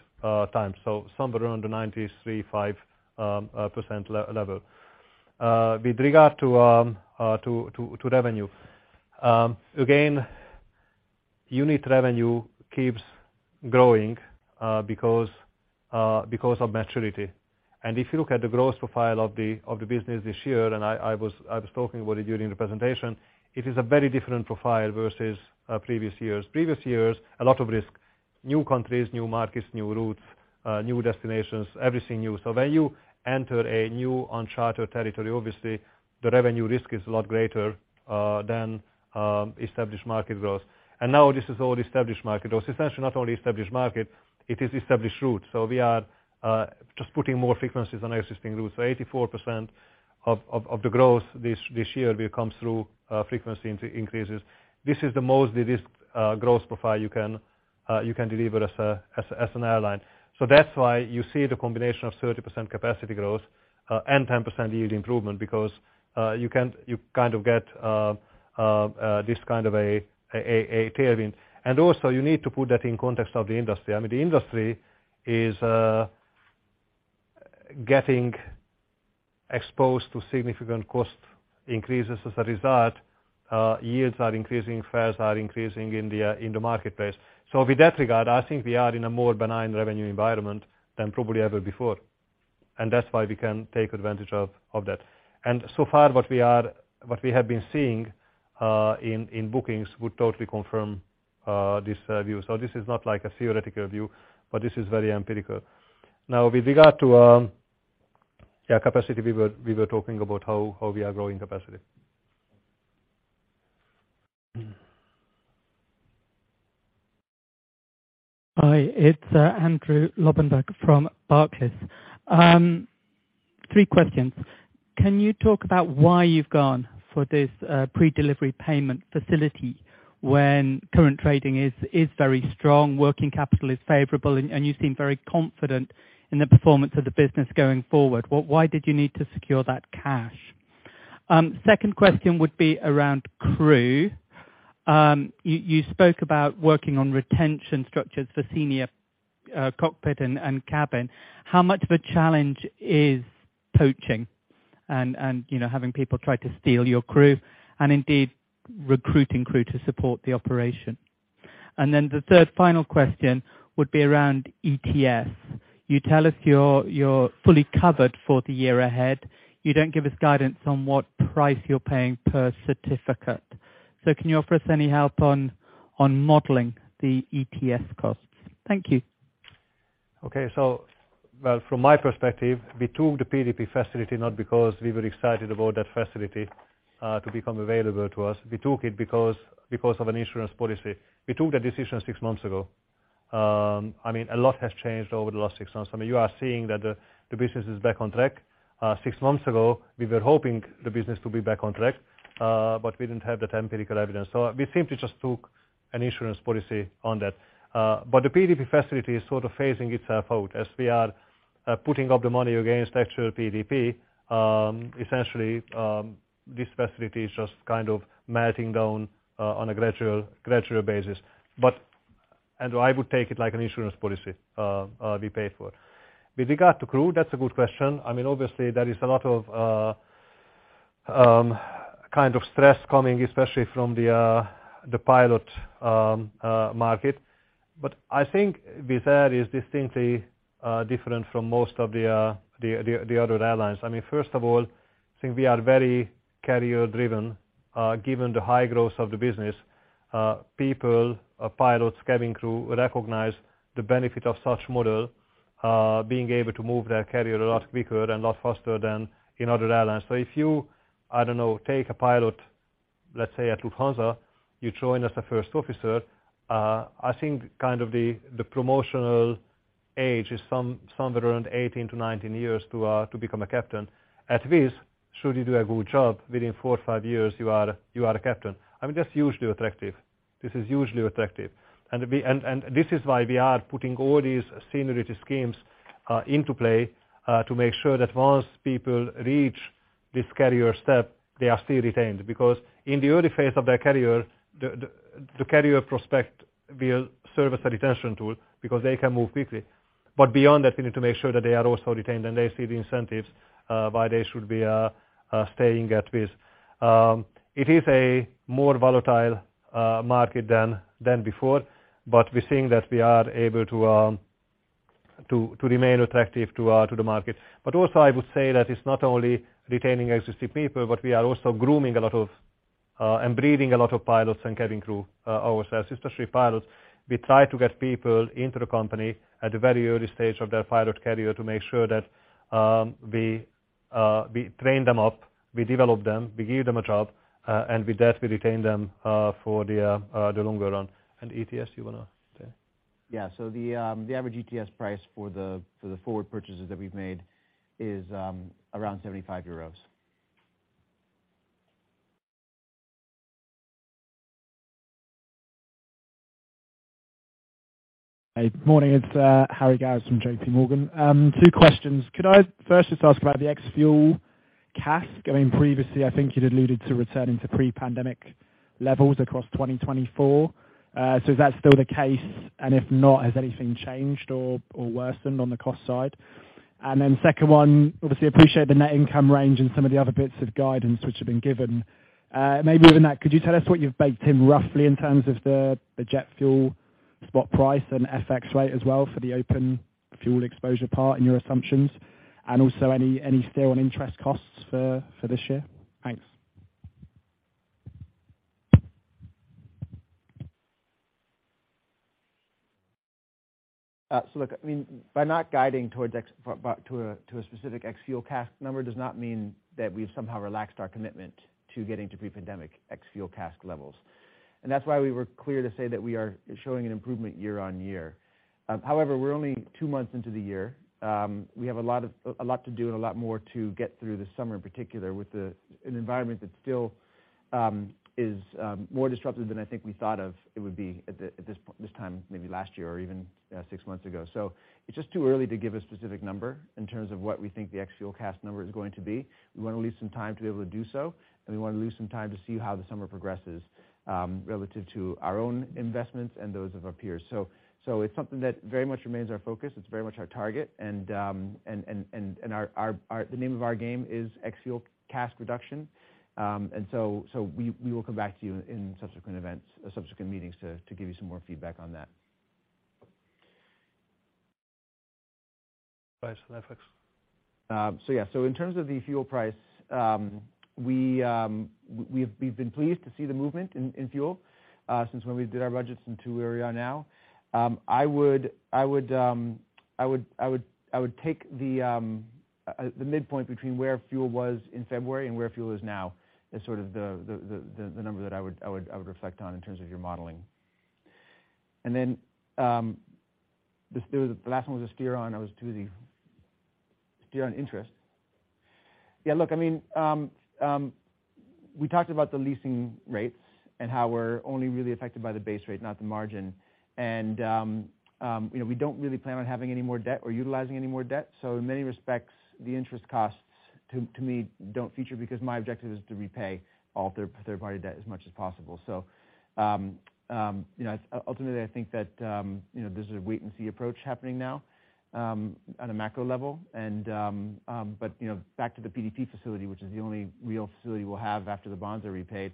times, so somewhere around the 93.5% level. With regard to revenue, again, unit revenue keeps growing, because of maturity. If you look at the growth profile of the business this year, and I was talking about it during the presentation, it is a very different profile versus previous years. Previous years, a lot of risk, new countries, new markets, new routes, new destinations, everything new. When you enter a new uncharted territory, obviously, the revenue risk is a lot greater than established market growth. Now this is all established market growth. Essentially, not only established market, it is established routes. We are just putting more frequencies on existing routes. 84% of the growth this year will come through frequency increases. This is the most reduced growth profile you can deliver as an airline. That's why you see the combination of 30% capacity growth and 10% yield improvement, because you kind of get a tailwind. Also, you need to put that in context of the industry. I mean, the industry is getting exposed to significant cost increases. As a result, yields are increasing, fares are increasing in the marketplace. With that regard, I think we are in a more benign revenue environment than probably ever before, and that's why we can take advantage of that. So far, what we have been seeing in bookings would totally confirm this view. This is not like a theoretical view, but this is very empirical. With regard to, yeah, capacity, we were talking about how we are growing capacity. Hi, it's Andrew Lobbenberg from Barclays. 3 questions: Can you talk about why you've gone for this predelivery payment facility when current trading is very strong, working capital is favorable, and you seem very confident in the performance of the business going forward? Why did you need to secure that cash? Second question would be around crew. You spoke about working on retention structures for senior cockpit and cabin. How much of a challenge is poaching and, you know, having people try to steal your crew, and indeed, recruiting crew to support the operation? Then the third final question would be around ETS. You tell us you're fully covered for the year ahead. You don't give us guidance on what price you're paying per certificate. Can you offer us any help on modeling the ETS costs? Thank you. Well, from my perspective, we took the PDP facility not because we were excited about that facility to become available to us. We took it because of an insurance policy. We took that decision 6 months ago. I mean, a lot has changed over the last 6 months. I mean, you are seeing that the business is back on track. Six months ago, we were hoping the business to be back on track, we didn't have that empirical evidence. We simply just took an insurance policy on that. The PDP facility is sort of phasing itself out. As we are putting up the money against actual PDP, essentially, this facility is just kind of melting down on a gradual basis. I would take it like an insurance policy, we paid for. With regard to crew, that's a good question. I mean, obviously, there is a lot of kind of stress coming, especially from the pilot market. I think Wizz Air is distinctly different from most of the other airlines. I mean, first of all, I think we are very carrier-driven, given the high growth of the business. People, pilots, cabin crew recognize the benefit of such model, being able to move their carrier a lot quicker and a lot faster than in other airlines. If you, I don't know, take a pilot, let's say, at Lufthansa, you join as a first officer, I think kind of the promotional age is somewhere around 18-19 years to become a captain. At Wizz, should you do a good job, within 4-5 years, you are a captain. That's hugely attractive. This is hugely attractive. This is why we are putting all these seniority schemes into play to make sure that once people reach this carrier step, they are still retained. Because in the early phase of their carrier, the carrier prospect will serve as a retention tool because they can move quickly. Beyond that, we need to make sure that they are also retained, and they see the incentives, why they should be staying at Wizz. It is a more volatile market than before, but we're seeing that we are able to remain attractive to the market. Also, I would say that it's not only retaining existing people, but we are also grooming a lot of and breeding a lot of pilots and cabin crew ourselves, especially pilots. We try to get people into the company at a very early stage of their pilot career to make sure that we train them up, we develop them, we give them a job, and with that, we retain them for the longer run. ETS, you want to say? Yeah. The average ETS price for the forward purchases that we've made is around 75 euros. Hey, good morning. It's Harry Gowers from JPMorgan. Two questions: Could I first just ask about the ex-fuel CASK? I mean, previously, I think you'd alluded to returning to pre-pandemic levels across 2024. Is that still the case? If not, has anything changed or worsened on the cost side? Second one, obviously, appreciate the net income range and some of the other bits of guidance which have been given. Maybe within that, could you tell us what you've baked in, roughly, in terms of the jet fuel spot price and FX rate as well for the open fuel exposure part in your assumptions? Any steer on interest costs for this year? Thanks. Look, I mean, by not guiding towards a specific ex-fuel CASK number, does not mean that we've somehow relaxed our commitment to getting to pre-pandemic ex-fuel CASK levels. That's why we were clear to say that we are showing an improvement year-over-year. However, we're only two months into the year. We have a lot to do and a lot more to get through the summer, in particular, with an environment that still is more disruptive than I think we thought of it would be at this time, maybe last year or even six months ago. It's just too early to give a specific number in terms of what we think the ex-fuel CASK number is going to be. We want to leave some time to be able to do so, and we want to leave some time to see how the summer progresses, relative to our own investments and those of our peers. It's something that very much remains our focus, it's very much our target, and the name of our game is ex-fuel CASK reduction. We will come back to you in subsequent events, or subsequent meetings to give you some more feedback on that. Price on F.X. Yeah. In terms of the fuel price, we've been pleased to see the movement in fuel since when we did our budgets and to where we are now. I would take the midpoint between where fuel was in February and where fuel is now, as sort of the number that I would reflect on in terms of your modeling. The last one was a steer on interest. Yeah, look, I mean, we talked about the leasing rates and how we're only really affected by the base rate, not the margin. You know, we don't really plan on having any more debt or utilizing any more debt. In many respects, the interest costs, to me, don't feature, because my objective is to repay all third-party debt as much as possible. You know, ultimately, I think that, you know, there's a wait-and-see approach happening now, on a macro level. You know, back to the PDP facility, which is the only real facility we'll have after the bonds are repaid,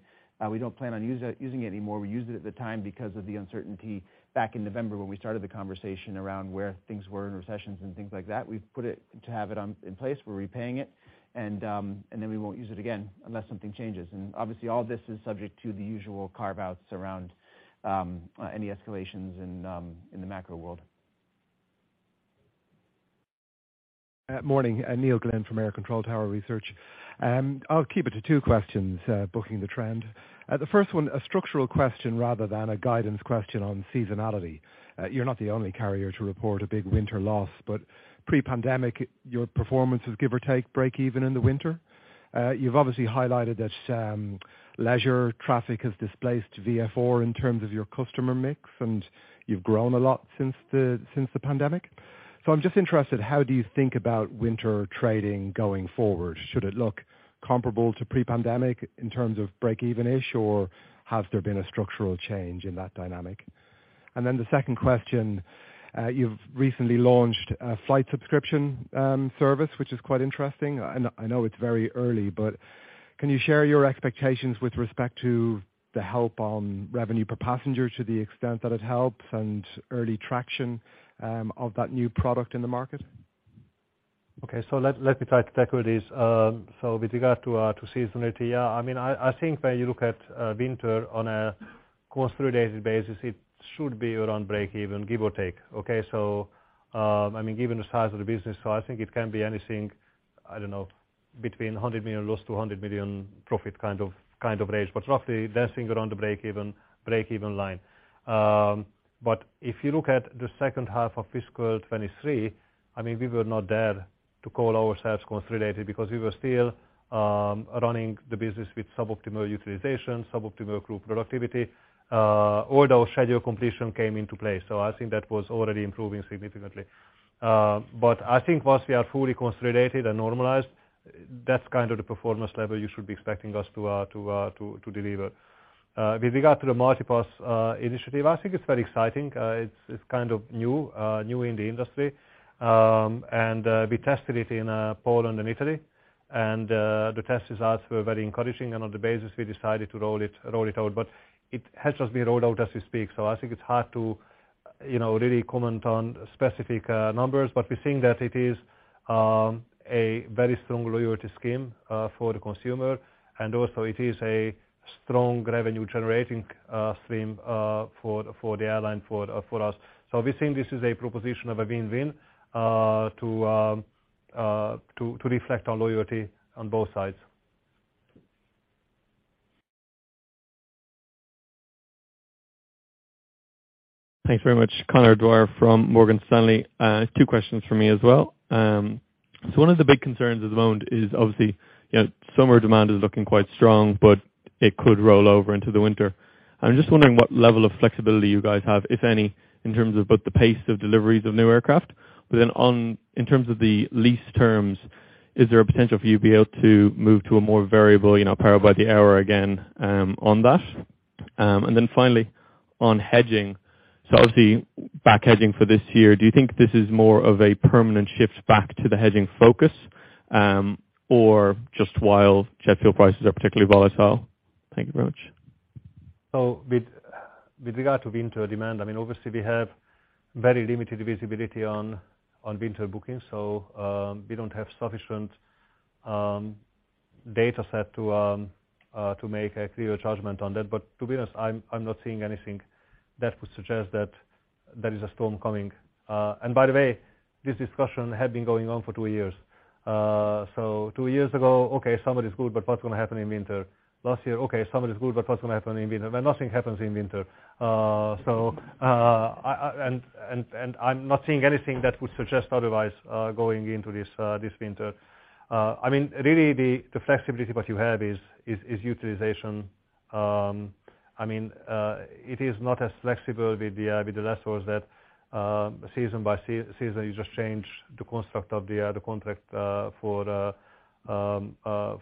we don't plan on using it anymore. We used it at the time because of the uncertainty back in November, when we started the conversation around where things were in recessions and things like that. We've put it to have it on, in place. We're repaying it, and then we won't use it again unless something changes. Obviously, all this is subject to the usual carve-outs around any escalations in the macro world. Morning. Neil Glynn from AIR CONTROL TOWER. I'll keep it to two questions, booking the trend. The first one, a structural question rather than a guidance question on seasonality. You're not the only carrier to report a big winter loss, but pre-pandemic, your performance was, give or take, break-even in the winter. You've obviously highlighted that leisure traffic has displaced VFR in terms of your customer mix, and you've grown a lot since the, since the pandemic. I'm just interested, how do you think about winter trading going forward? Should it look comparable to pre-pandemic in terms of break-even-ish, or has there been a structural change in that dynamic? The second question, you've recently launched a flight subscription service, which is quite interesting. I know it's very early, but can you share your expectations with respect to the help on revenue per passenger, to the extent that it helps, and early traction of that new product in the market? Okay, let me try to tackle this. With regard to seasonality, yeah, I mean, I think when you look at winter on a consolidated basis, it should be around break even, give or take, okay? I mean, given the size of the business, I think it can be anything, I don't know, between 100 million loss to a 100 million profit kind of range, but roughly dancing around the break-even line. If you look at the second half of fiscal 2023, I mean, we were not there to call ourselves consolidated, because we were still running the business with suboptimal utilization, suboptimal group productivity, although schedule completion came into play, I think that was already improving significantly. I think once we are fully consolidated and normalized, that's kind of the performance level you should be expecting us to deliver. With regard to the MultiPass initiative, I think it's very exciting. It's kind of new in the industry. We tested it in Poland and Italy, and the test results were very encouraging, and on the basis, we decided to roll it out. It has just been rolled out as we speak, so I think it's hard to, you know, really comment on specific numbers, but we're seeing that it is a very strong loyalty scheme for the consumer, and also it is a strong revenue generating stream for the airline for us. We think this is a proposition of a win-win, to reflect on loyalty on both sides. Thanks very much. Conor Dwyer from Morgan Stanley. Two questions for me as well. One of the big concerns at the moment is obviously, you know, summer demand is looking quite strong, but it could roll over into the winter. I'm just wondering what level of flexibility you guys have, if any, in terms of both the pace of deliveries of new aircraft, but then in terms of the lease terms, is there a potential for you to be able to move to a more variable, you know, Power by the Hour again, on that? Finally, on hedging, obviously, back hedging for this year, do you think this is more of a permanent shift back to the hedging focus, or just while jet fuel prices are particularly volatile? Thank you very much. With regard to winter demand, I mean, obviously, we have very limited visibility on winter bookings, we don't have sufficient data set to make a clear judgment on that. To be honest, I'm not seeing anything that would suggest that there is a storm coming. By the way, this discussion had been going on for 2 years. 2 years ago, okay, summer is good, but what's gonna happen in winter? Last year, okay, summer is good, but what's gonna happen in winter? Well, nothing happens in winter. And I'm not seeing anything that would suggest otherwise, going into this winter. I mean, really, the flexibility what you have is utilization. I mean, it is not as flexible with the lessors that season by season, you just change the construct of the contract for the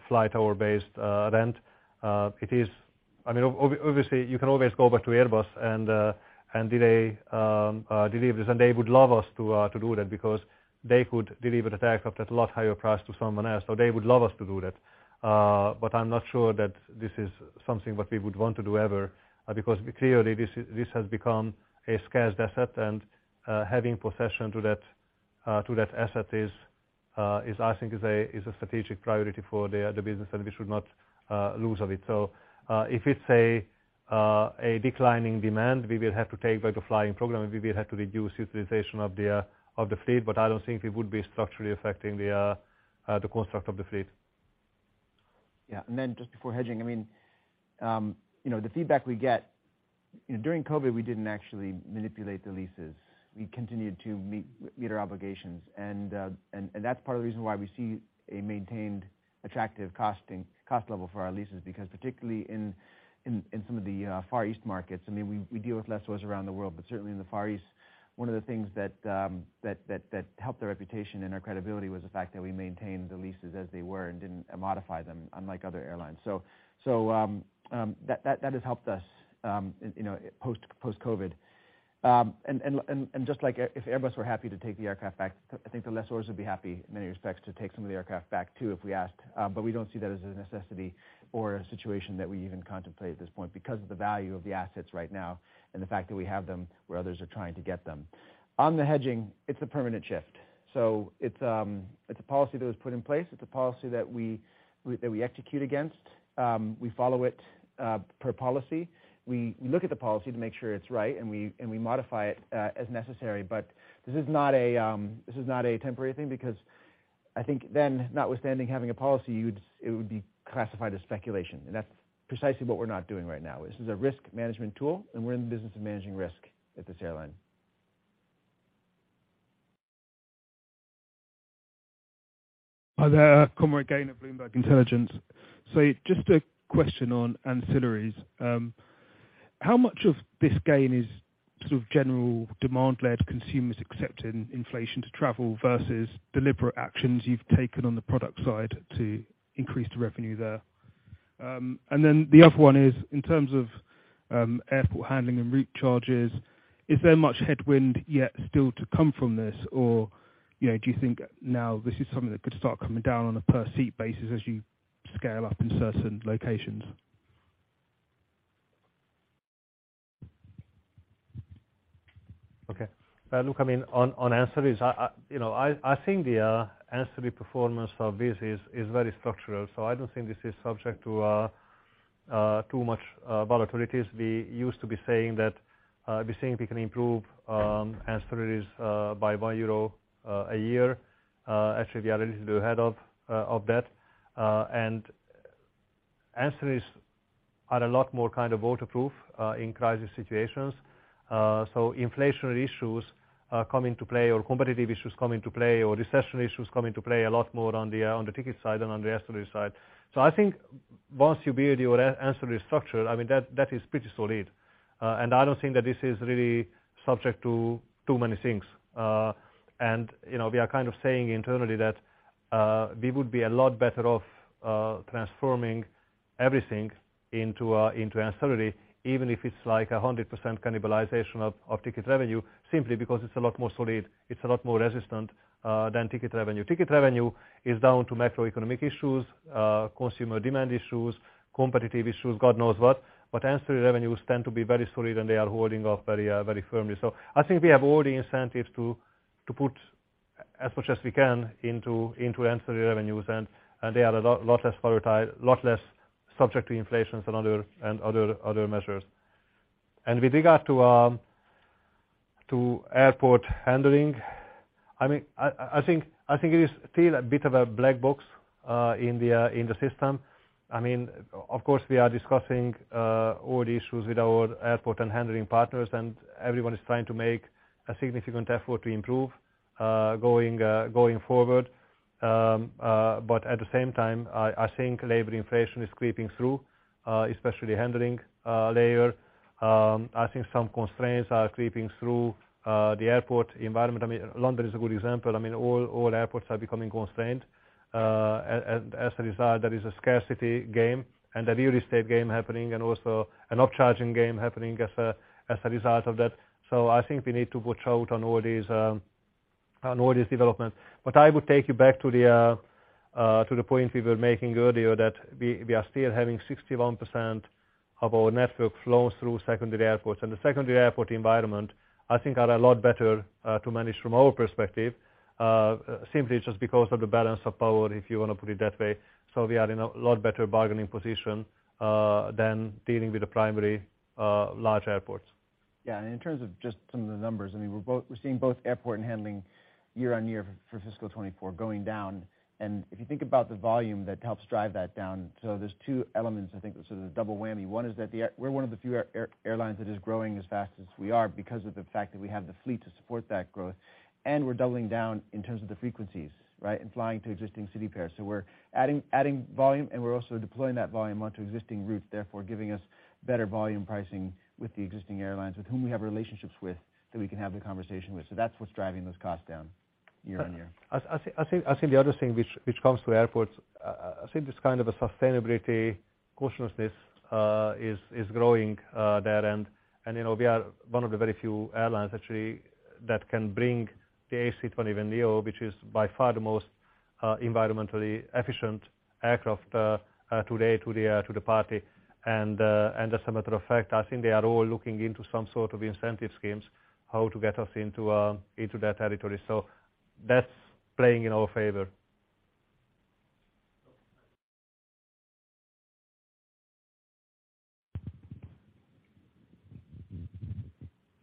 flight hour-based rent. I mean, obviously, you can always go back to Airbus and delay deliveries, and they would love us to do that because they could deliver the aircraft at a lot higher price to someone else, they would love us to do that. I'm not sure that this is something what we would want to do ever, because clearly, this has become a scarce asset, and having possession to that, to that asset is I think is a, is a strategic priority for the business, and we should not lose of it. If it's a declining demand, we will have to take back the flying program, and we will have to reduce utilization of the fleet, but I don't think it would be structurally affecting the construct of the fleet. Yeah. Just before hedging, I mean, you know, the feedback we get, during COVID, we didn't actually manipulate the leases. We continued to meet our obligations, and that's part of the reason why we see a maintained attractive costing, cost level for our leases, because particularly in some of the Far East markets, I mean, we deal with lessors around the world, but certainly in the Far East, one of the things that helped our reputation and our credibility was the fact that we maintained the leases as they were and didn't modify them, unlike other airlines. That has helped us, you know, post-COVID. Just like if Airbus were happy to take the aircraft back, I think the lessors would be happy in many respects to take some of the aircraft back, too, if we asked. We don't see that as a necessity or a situation that we even contemplate at this point, because of the value of the assets right now and the fact that we have them where others are trying to get them. On the hedging, it's a permanent shift, so it's a policy that was put in place. It's a policy that we, that we execute against. We follow it, per policy. We look at the policy to make sure it's right, and we modify it, as necessary. This is not a, this is not a temporary thing, because I think then, notwithstanding having a policy, it would be classified as speculation, and that's precisely what we're not doing right now. This is a risk management tool, and we're in the business of managing risk at this airline. Hi there, Conroy Gaynor of Bloomberg Intelligence. Just a question on ancillaries. How much of this gain is sort of general demand-led consumers accepting inflation to travel versus deliberate actions you've taken on the product side to increase the revenue there? The other one is, in terms of airport handling and route charges, is there much headwind yet still to come from this? Or, you know, do you think now this is something that could start coming down on a per-seat basis as you scale up in certain locations?, on ancillaries, I, you know, I think the ancillary performance of this is very structural, so I don't think this is subject to too much volatilities. We used to be saying that we're saying we can improve ancillaries by 1 euro a year. Actually, we are a little bit ahead of that. Ancillaries are a lot more kind of waterproof in crisis situations. Inflationary issues come into play, or competitive issues come into play, or recession issues come into play a lot more on the ticket side than on the ancillary side. I think once you build your ancillary structure, I mean, that is pretty solid I don't think that this is really subject to too many things. You know, we are kind of saying internally that we would be a lot better off transforming everything into ancillary, even if it's like 100% cannibalization of ticket revenue, simply because it's a lot more solid, it's a lot more resistant than ticket revenue. Ticket revenue is down to macroeconomic issues, consumer demand issues, competitive issues, God knows what, but ancillary revenues tend to be very solid, and they are holding up very firmly. I think we have all the incentives to put as much as we can into ancillary revenues, and they are a lot less volatile, lot less subject to inflations and other measures. With regard to airport handling, I mean, I think it is still a bit of a black box in the system. I mean, of course, we are discussing all the issues with our airport and handling partners, and everyone is trying to make a significant effort to improve going forward. At the same time, I think labor inflation is creeping through especially handling layer. I think some constraints are creeping through the airport environment. I mean, London is a good example. I mean, all airports are becoming constrained, and, as a result, there is a scarcity game and a real estate game happening, and also an up-charging game happening as a result of that. I think we need to watch out on all these on all these developments. I would take you back to the point we were making earlier, that we are still having 61% of our network flow through secondary airports. The secondary airport environment, I think, are a lot better to manage from our perspective, simply just because of the balance of power, if you wanna put it that way. We are in a lot better bargaining position than dealing with the primary large airports. Yeah, in terms of just some of the numbers, I mean, we're seeing both airport and handling year-on-year for fiscal 2024 going down. If you think about the volume, that helps drive that down. There's 2 elements, I think, sort of the double whammy. One is that we're one of the few airlines that is growing as fast as we are, because of the fact that we have the fleet to support that growth, we're doubling down in terms of the frequencies, right? Flying to existing city pairs. We're adding volume, we're also deploying that volume onto existing routes, therefore, giving us better volume pricing with the existing airlines, with whom we have relationships with, that we can have the conversation with. That's what's driving those costs down year-on-year. I think the other thing which comes to airports, I think this kind of a sustainability consciousness is growing there. You know, we are one of the very few airlines actually that can bring the A220 and neo, which is by far the most environmentally efficient aircraft today to the party. As a matter of fact, I think they are all looking into some sort of incentive schemes, how to get us into that territory. That's playing in our favor.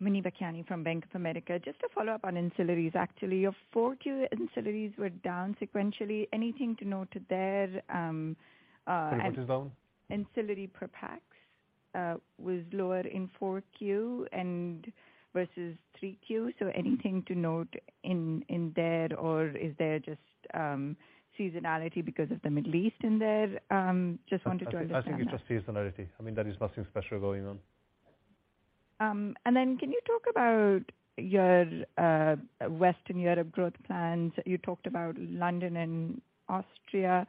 Muneeba Kayani from Bank of America. Just to follow up on ancillaries, actually. Your four-tier ancillaries were down sequentially. Anything to note there? Sorry, what was down? Ancillary per pax, was lower in 4Q and versus 3Q. Anything to note in there, or is there just, seasonality because of the Middle East in there? Just wanted to understand that. I think it's just seasonality. I mean, there is nothing special going on. Can you talk about your Western Europe growth plans? You talked about London and Austria.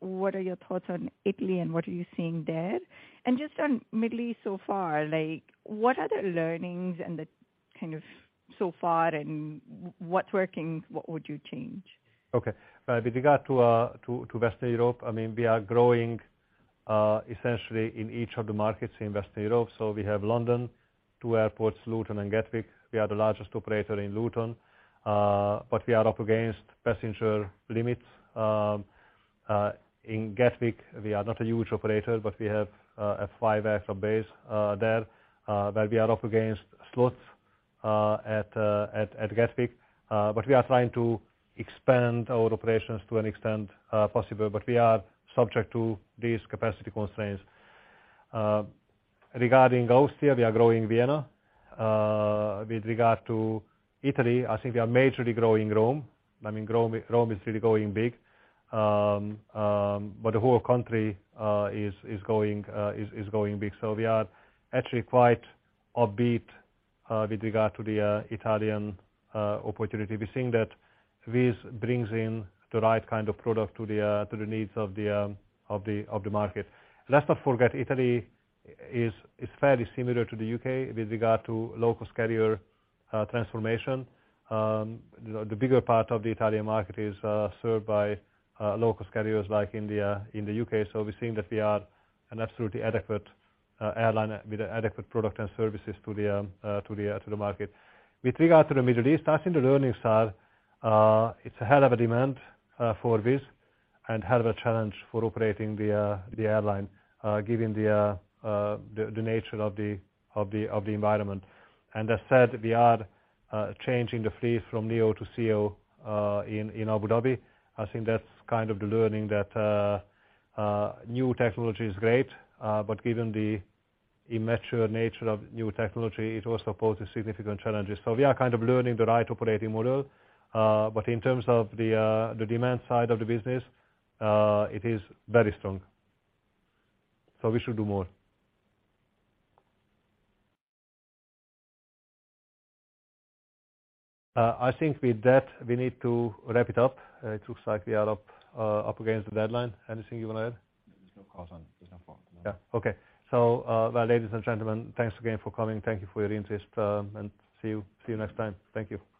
What are your thoughts on Italy, and what are you seeing there? Just on Middle East so far, like, what are the learnings and the kind of so far, and what's working, what would you change? Okay. With regard to Western Europe, I mean, we are growing essentially in each of the markets in Western Europe. We have London, 2 airports, Luton and Gatwick. We are the largest operator in Luton, but we are up against passenger limits. In Gatwick, we are not a huge operator, but we have a 5-air base there, where we are up against slots at Gatwick. We are trying to expand our operations to an extent possible, but we are subject to these capacity constraints. Regarding Austria, we are growing Vienna. With regard to Italy, I think we are majorly growing Rome. I mean, Rome is really growing big. The whole country is growing big. We are actually quite upbeat with regard to the Italian opportunity. We're seeing that this brings in the right kind of product to the needs of the market. Let's not forget, Italy is fairly similar to the UK with regard to low-cost carrier transformation. The bigger part of the Italian market is served by low-cost carriers like in the UK. We're seeing that we are an absolutely adequate airline with adequate product and services to the market. With regard to the Middle East, I think the learnings are, it's a hell of a demand for this, and hell of a challenge for operating the airline, given the nature of the environment. As said, we are changing the fleet from neo to CEO in Abu Dhabi. I think that's kind of the learning, that new technology is great, but given the immature nature of new technology, it also poses significant challenges. We are kind of learning the right operating model. In terms of the demand side of the business, it is very strong. We should do more. I think with that, we need to wrap it up. It looks like we are up against the deadline. Anything you wanna add? There's no call. Okay. Well, ladies and gentlemen, thanks again for coming. Thank you for your interest, see you next time. Thank you.